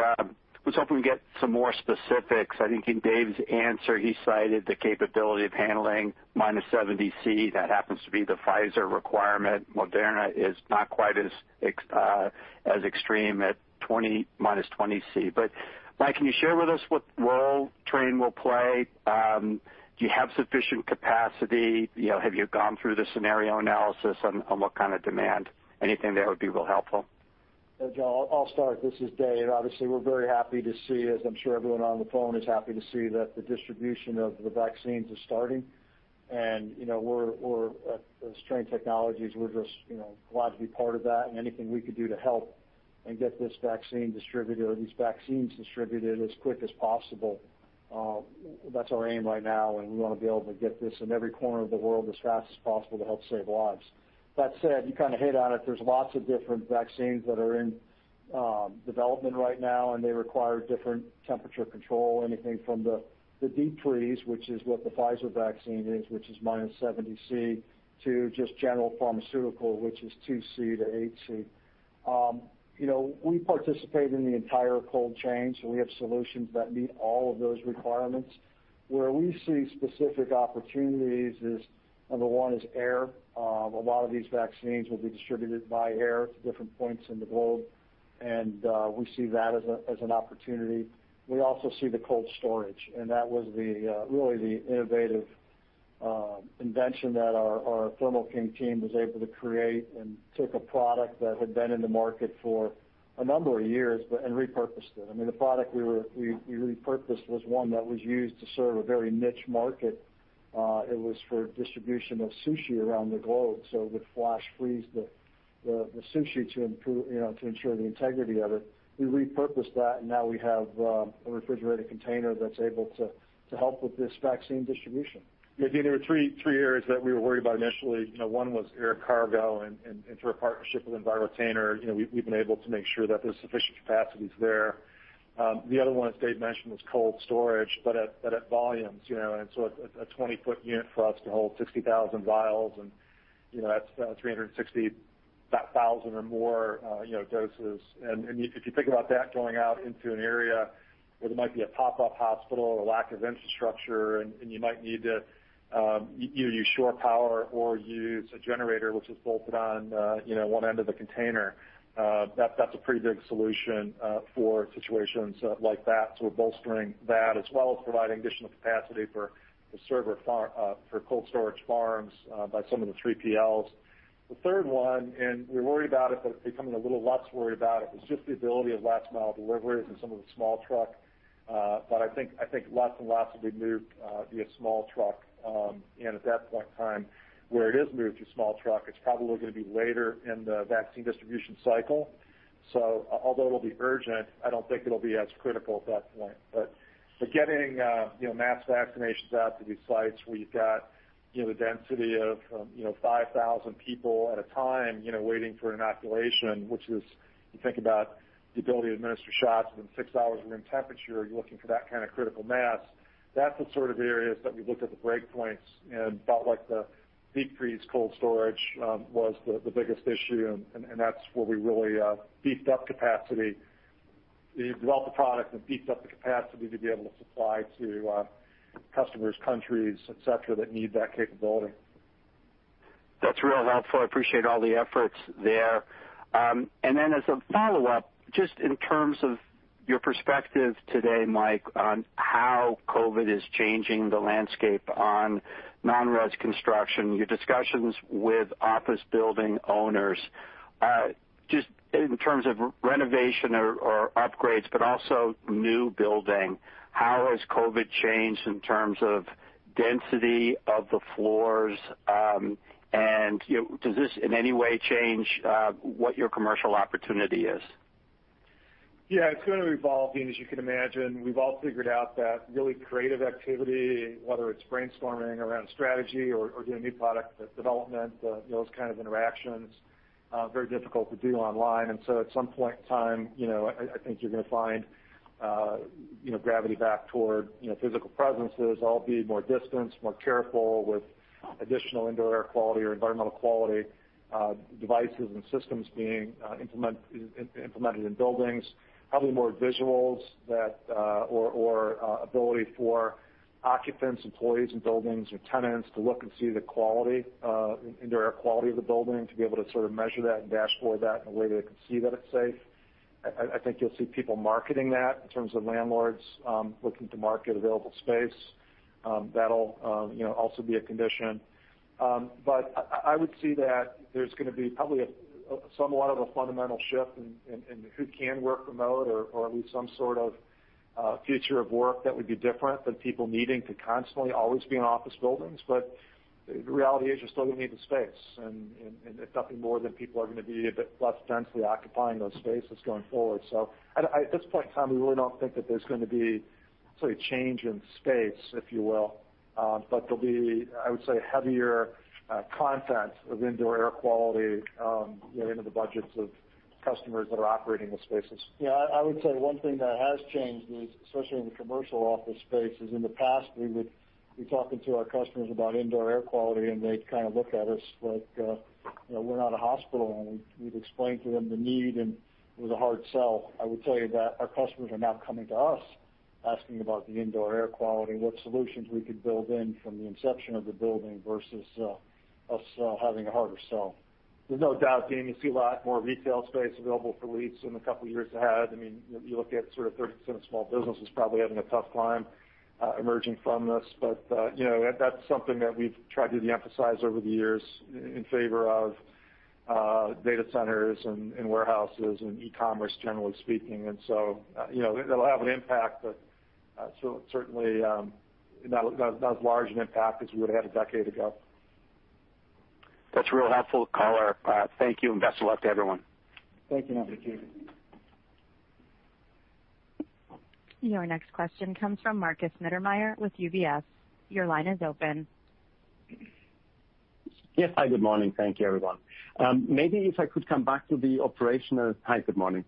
[SPEAKER 17] I was hoping we'd get some more specifics. I think in Dave's answer, he cited the capability of handling minus 70 degrees Celsius. That happens to be the Pfizer requirement. Moderna is not quite as extreme at minus 20 degrees Celsius. Mike, can you share with us what role Trane will play? Do you have sufficient capacity? Have you gone through the scenario analysis on what kind of demand? Anything there would be real helpful.
[SPEAKER 5] Yeah, Deane, I'll start. This is Dave. Obviously, we're very happy to see, as I'm sure everyone on the phone is happy to see, that the distribution of the vaccines is starting. As Trane Technologies, we're just glad to be part of that and anything we could do to help and get this vaccine distributed or these vaccines distributed as quick as possible. That's our aim right now, and we want to be able to get this in every corner of the world as fast as possible to help save lives. That said, you kind of hit on it. There's lots of different vaccines that are in development right now, and they require different temperature control, anything from the deep freeze, which is what the Pfizer vaccine is, which is minus 70 degrees Celsius, to just general pharmaceutical, which is 2 degrees Celsius-8 degrees Celsius. We participate in the entire cold chain. We have solutions that meet all of those requirements. Where we see specific opportunities is, number one is air. A lot of these vaccines will be distributed by air to different points in the globe. We see that as an opportunity. We also see the cold storage. That was really the innovative invention that our Thermo King team was able to create and took a product that had been in the market for a number of years and repurposed it. I mean, the product we repurposed was one that was used to serve a very niche market. It was for distribution of sushi around the globe. It would flash freeze the sushi to ensure the integrity of it. We repurposed that. Now we have a refrigerated container that's able to help with this vaccine distribution.
[SPEAKER 3] Yeah, Deane, there were three areas that we were worried about initially. One was air cargo. Through our partnership with Envirotainer, we've been able to make sure that there's sufficient capacities there. The other one, as Dave mentioned, was cold storage, at volumes. A 20-foot unit for us to hold 60,000 vials and that's 360,000 or more doses. If you think about that going out into an area where there might be a pop-up hospital or lack of infrastructure, and you might need to either use shore power or use a generator which is bolted on one end of the container, that's a pretty big solution for situations like that. We're bolstering that as well as providing additional capacity for cold storage farms by some of the 3PLs. The third one, and we're worried about it, but it's becoming a little less worry about it, is just the ability of last-mile deliveries and some of the small truck. I think lots and lots will be moved via small truck. At that point in time where it is moved to small truck, it's probably going to be later in the vaccine distribution cycle. Although it'll be urgent, I don't think it'll be as critical at that point. Getting mass vaccinations out to these sites where you've got the density of 5,000 people at a time waiting for an inoculation, which is, you think about the ability to administer shots within six hours of room temperature, you're looking for that kind of critical mass. That's the sort of areas that we looked at the break points and felt like the deep freeze cold storage was the biggest issue, and that's where we really beefed up capacity. We developed the product and beefed up the capacity to be able to supply to customers, countries, et cetera, that need that capability.
[SPEAKER 17] That's real helpful. I appreciate all the efforts there. Then as a follow-up, just in terms of your perspective today, Mike, on how COVID is changing the landscape on non-res construction, your discussions with office building owners, just in terms of renovation or upgrades, but also new building, how has COVID changed in terms of density of the floors? Does this in any way change what your commercial opportunity is?
[SPEAKER 3] Yeah, it's going to evolve, Deane, as you can imagine. We've all figured out that really creative activity, whether it's brainstorming around strategy or doing new product development, those kind of interactions, very difficult to do online. at some point in time, I think you're going to find gravitate back toward physical presences, all be more distanced, more careful with additional indoor air quality or environmental quality, devices and systems being implemented in buildings. Probably more visuals or ability for occupants, employees in buildings or tenants to look and see the indoor air quality of the building, to be able to measure that and dashboard that in a way they can see that it's safe. I think you'll see people marketing that in terms of landlords looking to market available space. That'll also be a condition. I would see that there's going to be probably somewhat of a fundamental shift in who can work remote or at least some sort of future of work that would be different than people needing to constantly always be in office buildings. The reality is you're still going to need the space, and it's nothing more than people are going to be a bit less densely occupying those spaces going forward. At this point in time, we really don't think that there's going to be a change in space, if you will. There'll be, I would say, heavier content of indoor air quality into the budgets of customers that are operating the spaces.
[SPEAKER 5] Yeah, I would say one thing that has changed is, especially in the commercial office space, is in the past, we would be talking to our customers about indoor air quality, and they'd kind of look at us like, "We're not a hospital." we'd explain to them the need, and it was a hard sell. I would tell you that our customers are now coming to us, asking about the indoor air quality and what solutions we could build in from the inception of the building versus us having a harder sell.
[SPEAKER 3] There's no doubt, Deane, you see a lot more retail space available for lease in the couple of years ahead. You look at 30% of small businesses probably having a tough time emerging from this. That's something that we've tried to de-emphasize over the years in favor of data centers and warehouses and e-commerce, generally speaking. It'll have an impact, but certainly not as large an impact as we would've had a decade ago.
[SPEAKER 17] That's real helpful color. Thank you, and best of luck to everyone.
[SPEAKER 5] Thank you.
[SPEAKER 3] Thank you.
[SPEAKER 1] Your next question comes from Markus Mittermaier with UBS. Your line is open.
[SPEAKER 18] Yes. Hi, good morning. Thank you, everyone. Maybe if I could come back to the operational transformation,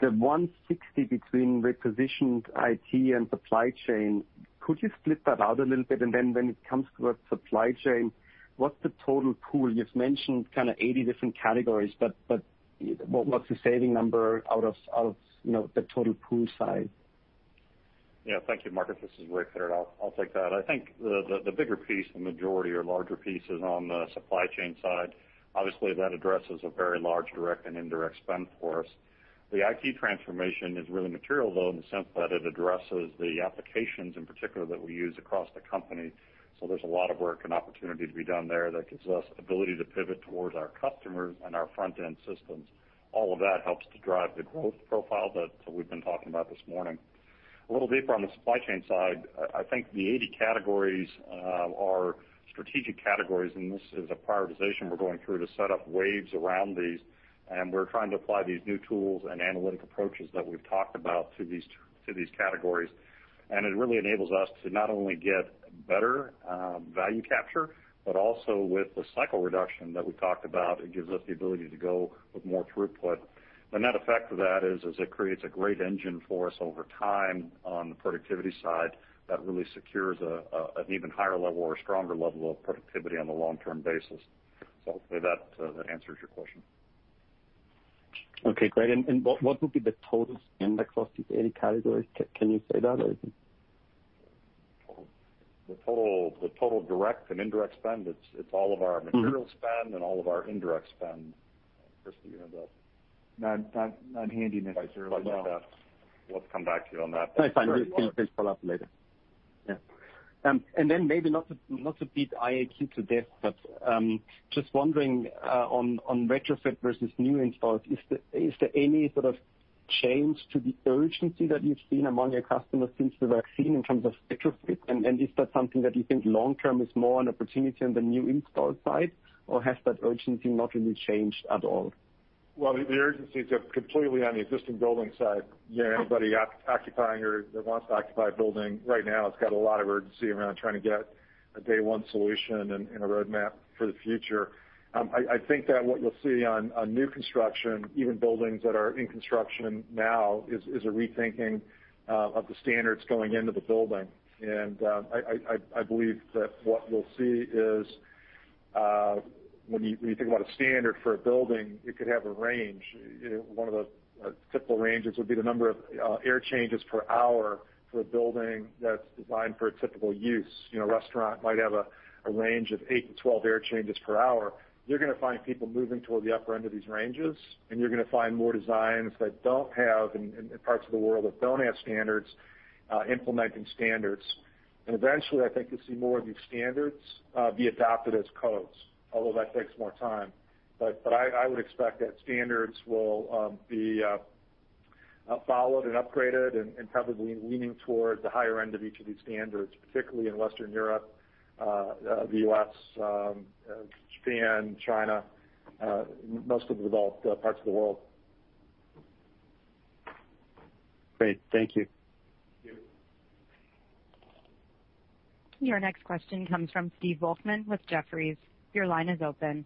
[SPEAKER 18] the 160 between repositioned IT and supply chain, could you split that out a little bit? Then when it comes to a supply chain, what's the total pool? You've mentioned kind of 80 different categories, but what's the saving number out of the total pool size?
[SPEAKER 6] Yeah. Thank you, Markus. This is Ray Pittard. I'll take that. I think the bigger piece, the majority or larger piece is on the supply chain side. Obviously, that addresses a very large direct and indirect spend for us. The IT transformation is really material, though, in the sense that it addresses the applications in particular that we use across the company. There's a lot of work and opportunity to be done there that gives us ability to pivot towards our customers and our front-end systems. All of that helps to drive the growth profile that we've been talking about this morning. A little deeper on the supply chain side, I think the 80 categories are strategic categories, and this is a prioritization we're going through to set up waves around these, and we're trying to apply these new tools and analytic approaches that we've talked about to these categories. It really enables us to not only get better value capture, but also with the cycle reduction that we talked about, it gives us the ability to go with more throughput. The net effect of that is it creates a great engine for us over time on the productivity side that really secures an even higher level or stronger level of productivity on a long-term basis. Hopefully that answers your question.
[SPEAKER 18] Okay, great. What would be the total index of these 80 categories? Can you say that or is it
[SPEAKER 6] The total direct and indirect spend, it's all of our material spend and all of our indirect spend. Chris, do you know the-
[SPEAKER 4] Not handy necessarily, no.`
[SPEAKER 6] We'll have to come back to you on that.
[SPEAKER 18] That's fine. We can just follow up later. Yeah. Maybe not to beat IAQ to death, but just wondering, on retrofit versus new installs, is there any sort of change to the urgency that you've seen among your customers since the vaccine in terms of retrofit? Is that something that you think long term is more an opportunity on the new install side, or has that urgency not really changed at all?
[SPEAKER 6] Well, the urgency is completely on the existing building side. Anybody occupying or that wants to occupy a building right now has got a lot of urgency around trying to get a day one solution and a roadmap for the future. I think that what you'll see on new construction, even buildings that are in construction now, is a rethinking of the standards going into the building. I believe that what we'll see is, when you think about a standard for a building, it could have a range. One of the typical ranges would be the number of air changes per hour for a building that's designed for a typical use. A restaurant might have a range of 8-12 air changes per hour. You're going to find people moving toward the upper end of these ranges, and you're going to find more designs that don't have, in parts of the world that don't have standards, implementing standards. Eventually, I think you'll see more of these standards be adopted as codes, although that takes more time. I would expect that standards will be followed and upgraded and probably leaning towards the higher end of each of these standards, particularly in Western Europe, the U.S., Japan, China, most of the developed parts of the world.
[SPEAKER 18] Great. Thank you.
[SPEAKER 6] Thank you.
[SPEAKER 1] Your next question comes from Steve Volkmann with Jefferies. Your line is open.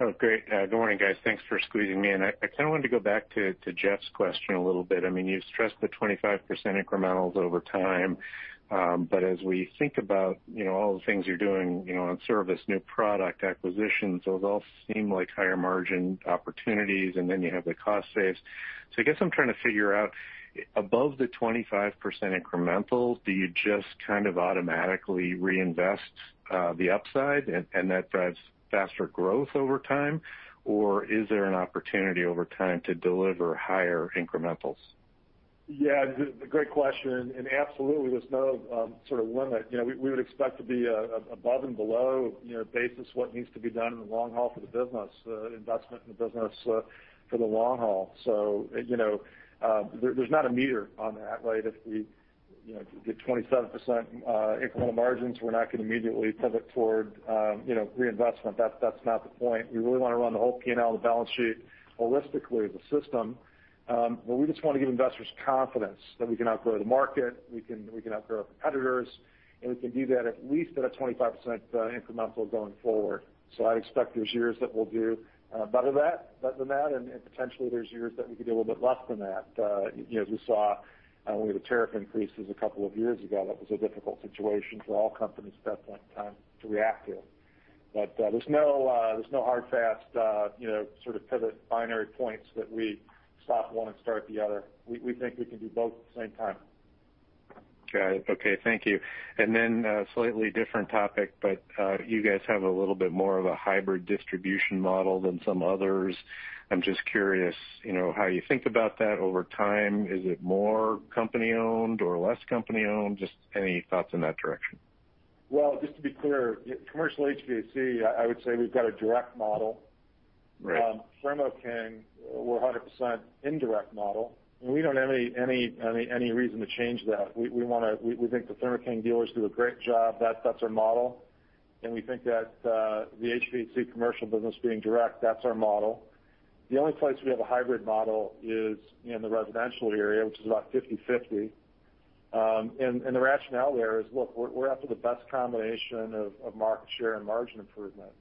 [SPEAKER 19] Oh, great. Good morning, guys. Thanks for squeezing me in. I kind of wanted to go back to Jeff's question a little bit. You've stressed the 25% incrementals over time. As we think about all the things you're doing on service, new product acquisitions, those all seem like higher margin opportunities, and then you have the cost saves. I guess I'm trying to figure out, above the 25% incremental, do you just kind of automatically reinvest the upside and that drives faster growth over time? Is there an opportunity over time to deliver higher incrementals?
[SPEAKER 3] Yeah, great question. Absolutely, there's no sort of limit. We would expect to be above and below basis what needs to be done in the long haul for the business, investment in the business for the long haul. There's not a meter on that, right? If we get 27% incremental margins, we're not going to immediately pivot toward reinvestment. That's not the point. We really want to run the whole P&L of the balance sheet holistically as a system. We just want to give investors confidence that we can outgrow the market, we can outgrow our competitors, and we can do that at least at a 25% incremental going forward. I expect there's years that we'll do better than that, and potentially there's years that we could do a little bit less than that. As we saw when we had the tariff increases a couple of years ago, that was a difficult situation for all companies at that point in time to react to. there's no hard, fast sort of pivot binary points that we stop one and start the other. We think we can do both at the same time.
[SPEAKER 19] Got it. Okay. Thank you. Slightly different topic, but you guys have a little bit more of a hybrid distribution model than some others. I'm just curious, how you think about that over time. Is it more company-owned or less company-owned? Just any thoughts in that direction.
[SPEAKER 3] Well, just to be clear, commercial HVAC, I would say we've got a direct model.
[SPEAKER 19] Right.
[SPEAKER 3] Thermo King, we're 100% indirect model, and we don't have any reason to change that. We think the Thermo King dealers do a great job. That's our model. We think that the HVAC commercial business being direct, that's our model. The only place we have a hybrid model is in the residential area, which is about 50/50. The rationale there is, look, we're after the best combination of market share and margin improvement.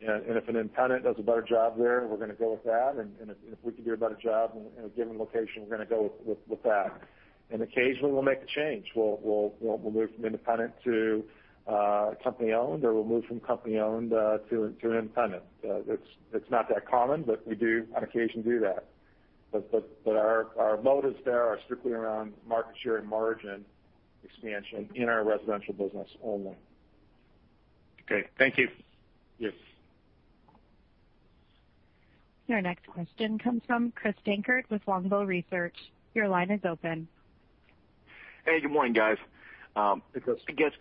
[SPEAKER 3] If an independent does a better job there, we're going to go with that. If we can do a better job in a given location, we're going to go with that. Occasionally we'll make a change. We'll move from independent to company-owned, or we'll move from company-owned to an independent. It's not that common, but we do on occasion do that our motives there are strictly around market share and margin expansion in our residential business only.
[SPEAKER 19] Okay. Thank you.
[SPEAKER 3] Yes.
[SPEAKER 1] Your next question comes from Chris Dankert with Longbow Research. Your line is open.
[SPEAKER 20] Hey, good morning, guys.
[SPEAKER 3] Hey, Chris.
[SPEAKER 20] I guess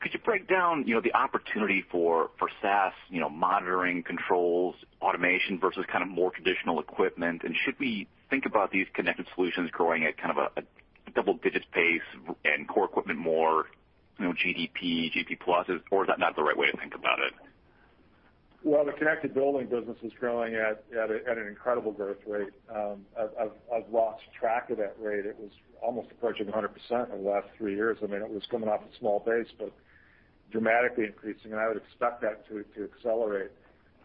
[SPEAKER 20] could you break down the opportunity for SaaS, monitoring controls, automation versus kind of more traditional equipment? Should we think about these connected solutions growing at kind of a double-digit pace and core equipment more GDP, GP plus? Is that not the right way to think about it?
[SPEAKER 3] Well, the connected building business is growing at an incredible growth rate. I've lost track of that rate. It was almost approaching 100% over the last three years. I mean, it was coming off a small base, but dramatically increasing, and I would expect that to accelerate.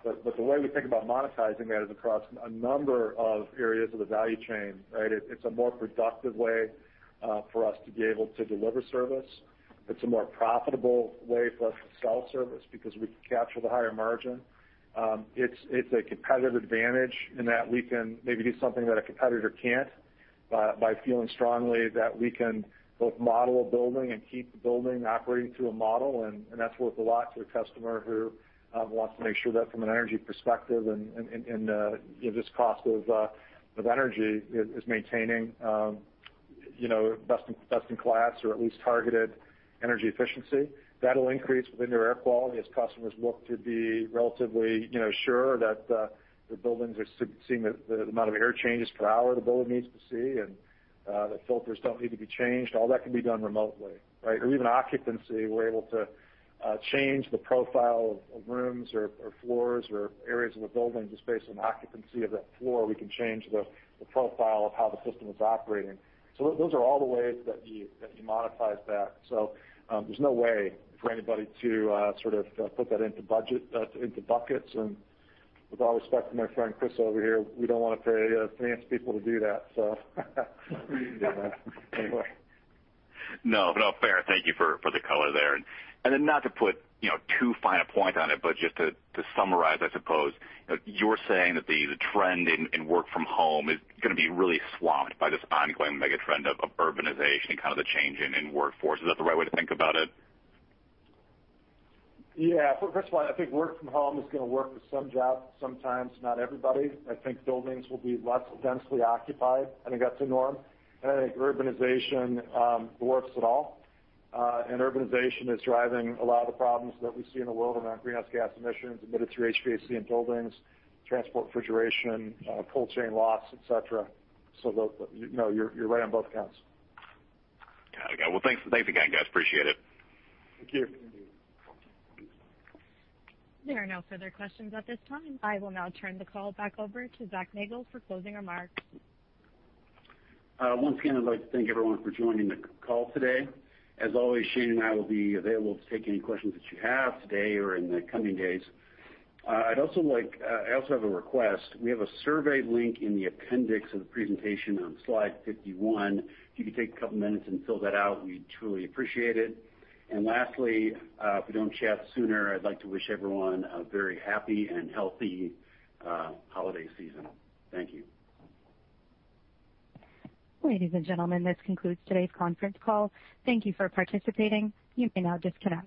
[SPEAKER 3] The way we think about monetizing that is across a number of areas of the value chain, right? It's a more productive way for us to be able to deliver service. It's a more profitable way for us to sell service because we can capture the higher margin. It's a competitive advantage in that we can maybe do something that a competitor can't by feeling strongly that we can both model a building and keep the building operating through a model. That's worth a lot to a customer who wants to make sure that from an energy perspective and this cost of energy is maintaining best in class or at least targeted energy efficiency. That'll increase with indoor air quality as customers look to be relatively sure that the buildings are seeing the amount of air changes per hour the building needs to see and the filters don't need to be changed. All that can be done remotely. Right? Or even occupancy, we're able to change the profile of rooms or floors or areas of the building just based on occupancy of that floor. We can change the profile of how the system is operating. those are all the ways that you monetize that. there's no way for anybody to sort of put that into buckets. With all respect to my friend Chris over here, we don't want to pay finance people to do that, so anyway.
[SPEAKER 20] No. Fair. Thank you for the color there. not to put too fine a point on it, but just to summarize, I suppose, you're saying that the trend in work from home is going to be really swamped by this ongoing mega trend of urbanization and kind of the change in workforce. Is that the right way to think about it?
[SPEAKER 3] Yeah. First of all, I think work from home is going to work with some jobs sometimes, not everybody. I think buildings will be less densely occupied, I think that's the norm. I think urbanization dwarfs it all. Urbanization is driving a lot of the problems that we see in the world around greenhouse gas emissions emitted through HVAC in buildings, transport refrigeration, cold chain loss, et cetera. You're right on both counts.
[SPEAKER 20] Got it. Well, thanks again, guys. Appreciate it.
[SPEAKER 3] Thank you.
[SPEAKER 1] There are no further questions at this time. I will now turn the call back over to Zac Nagle for closing remarks.
[SPEAKER 2] Once again, I'd like to thank everyone for joining the call today. As always, Shane and I will be available to take any questions that you have today or in the coming days. I also have a request. We have a survey link in the appendix of the presentation on slide 51. If you could take a couple minutes and fill that out, we'd truly appreciate it. Lastly, if we don't chat sooner, I'd like to wish everyone a very happy and healthy holiday season. Thank you.
[SPEAKER 1] Ladies and gentlemen, this concludes today's conference call. Thank you for participating. You may now disconnect.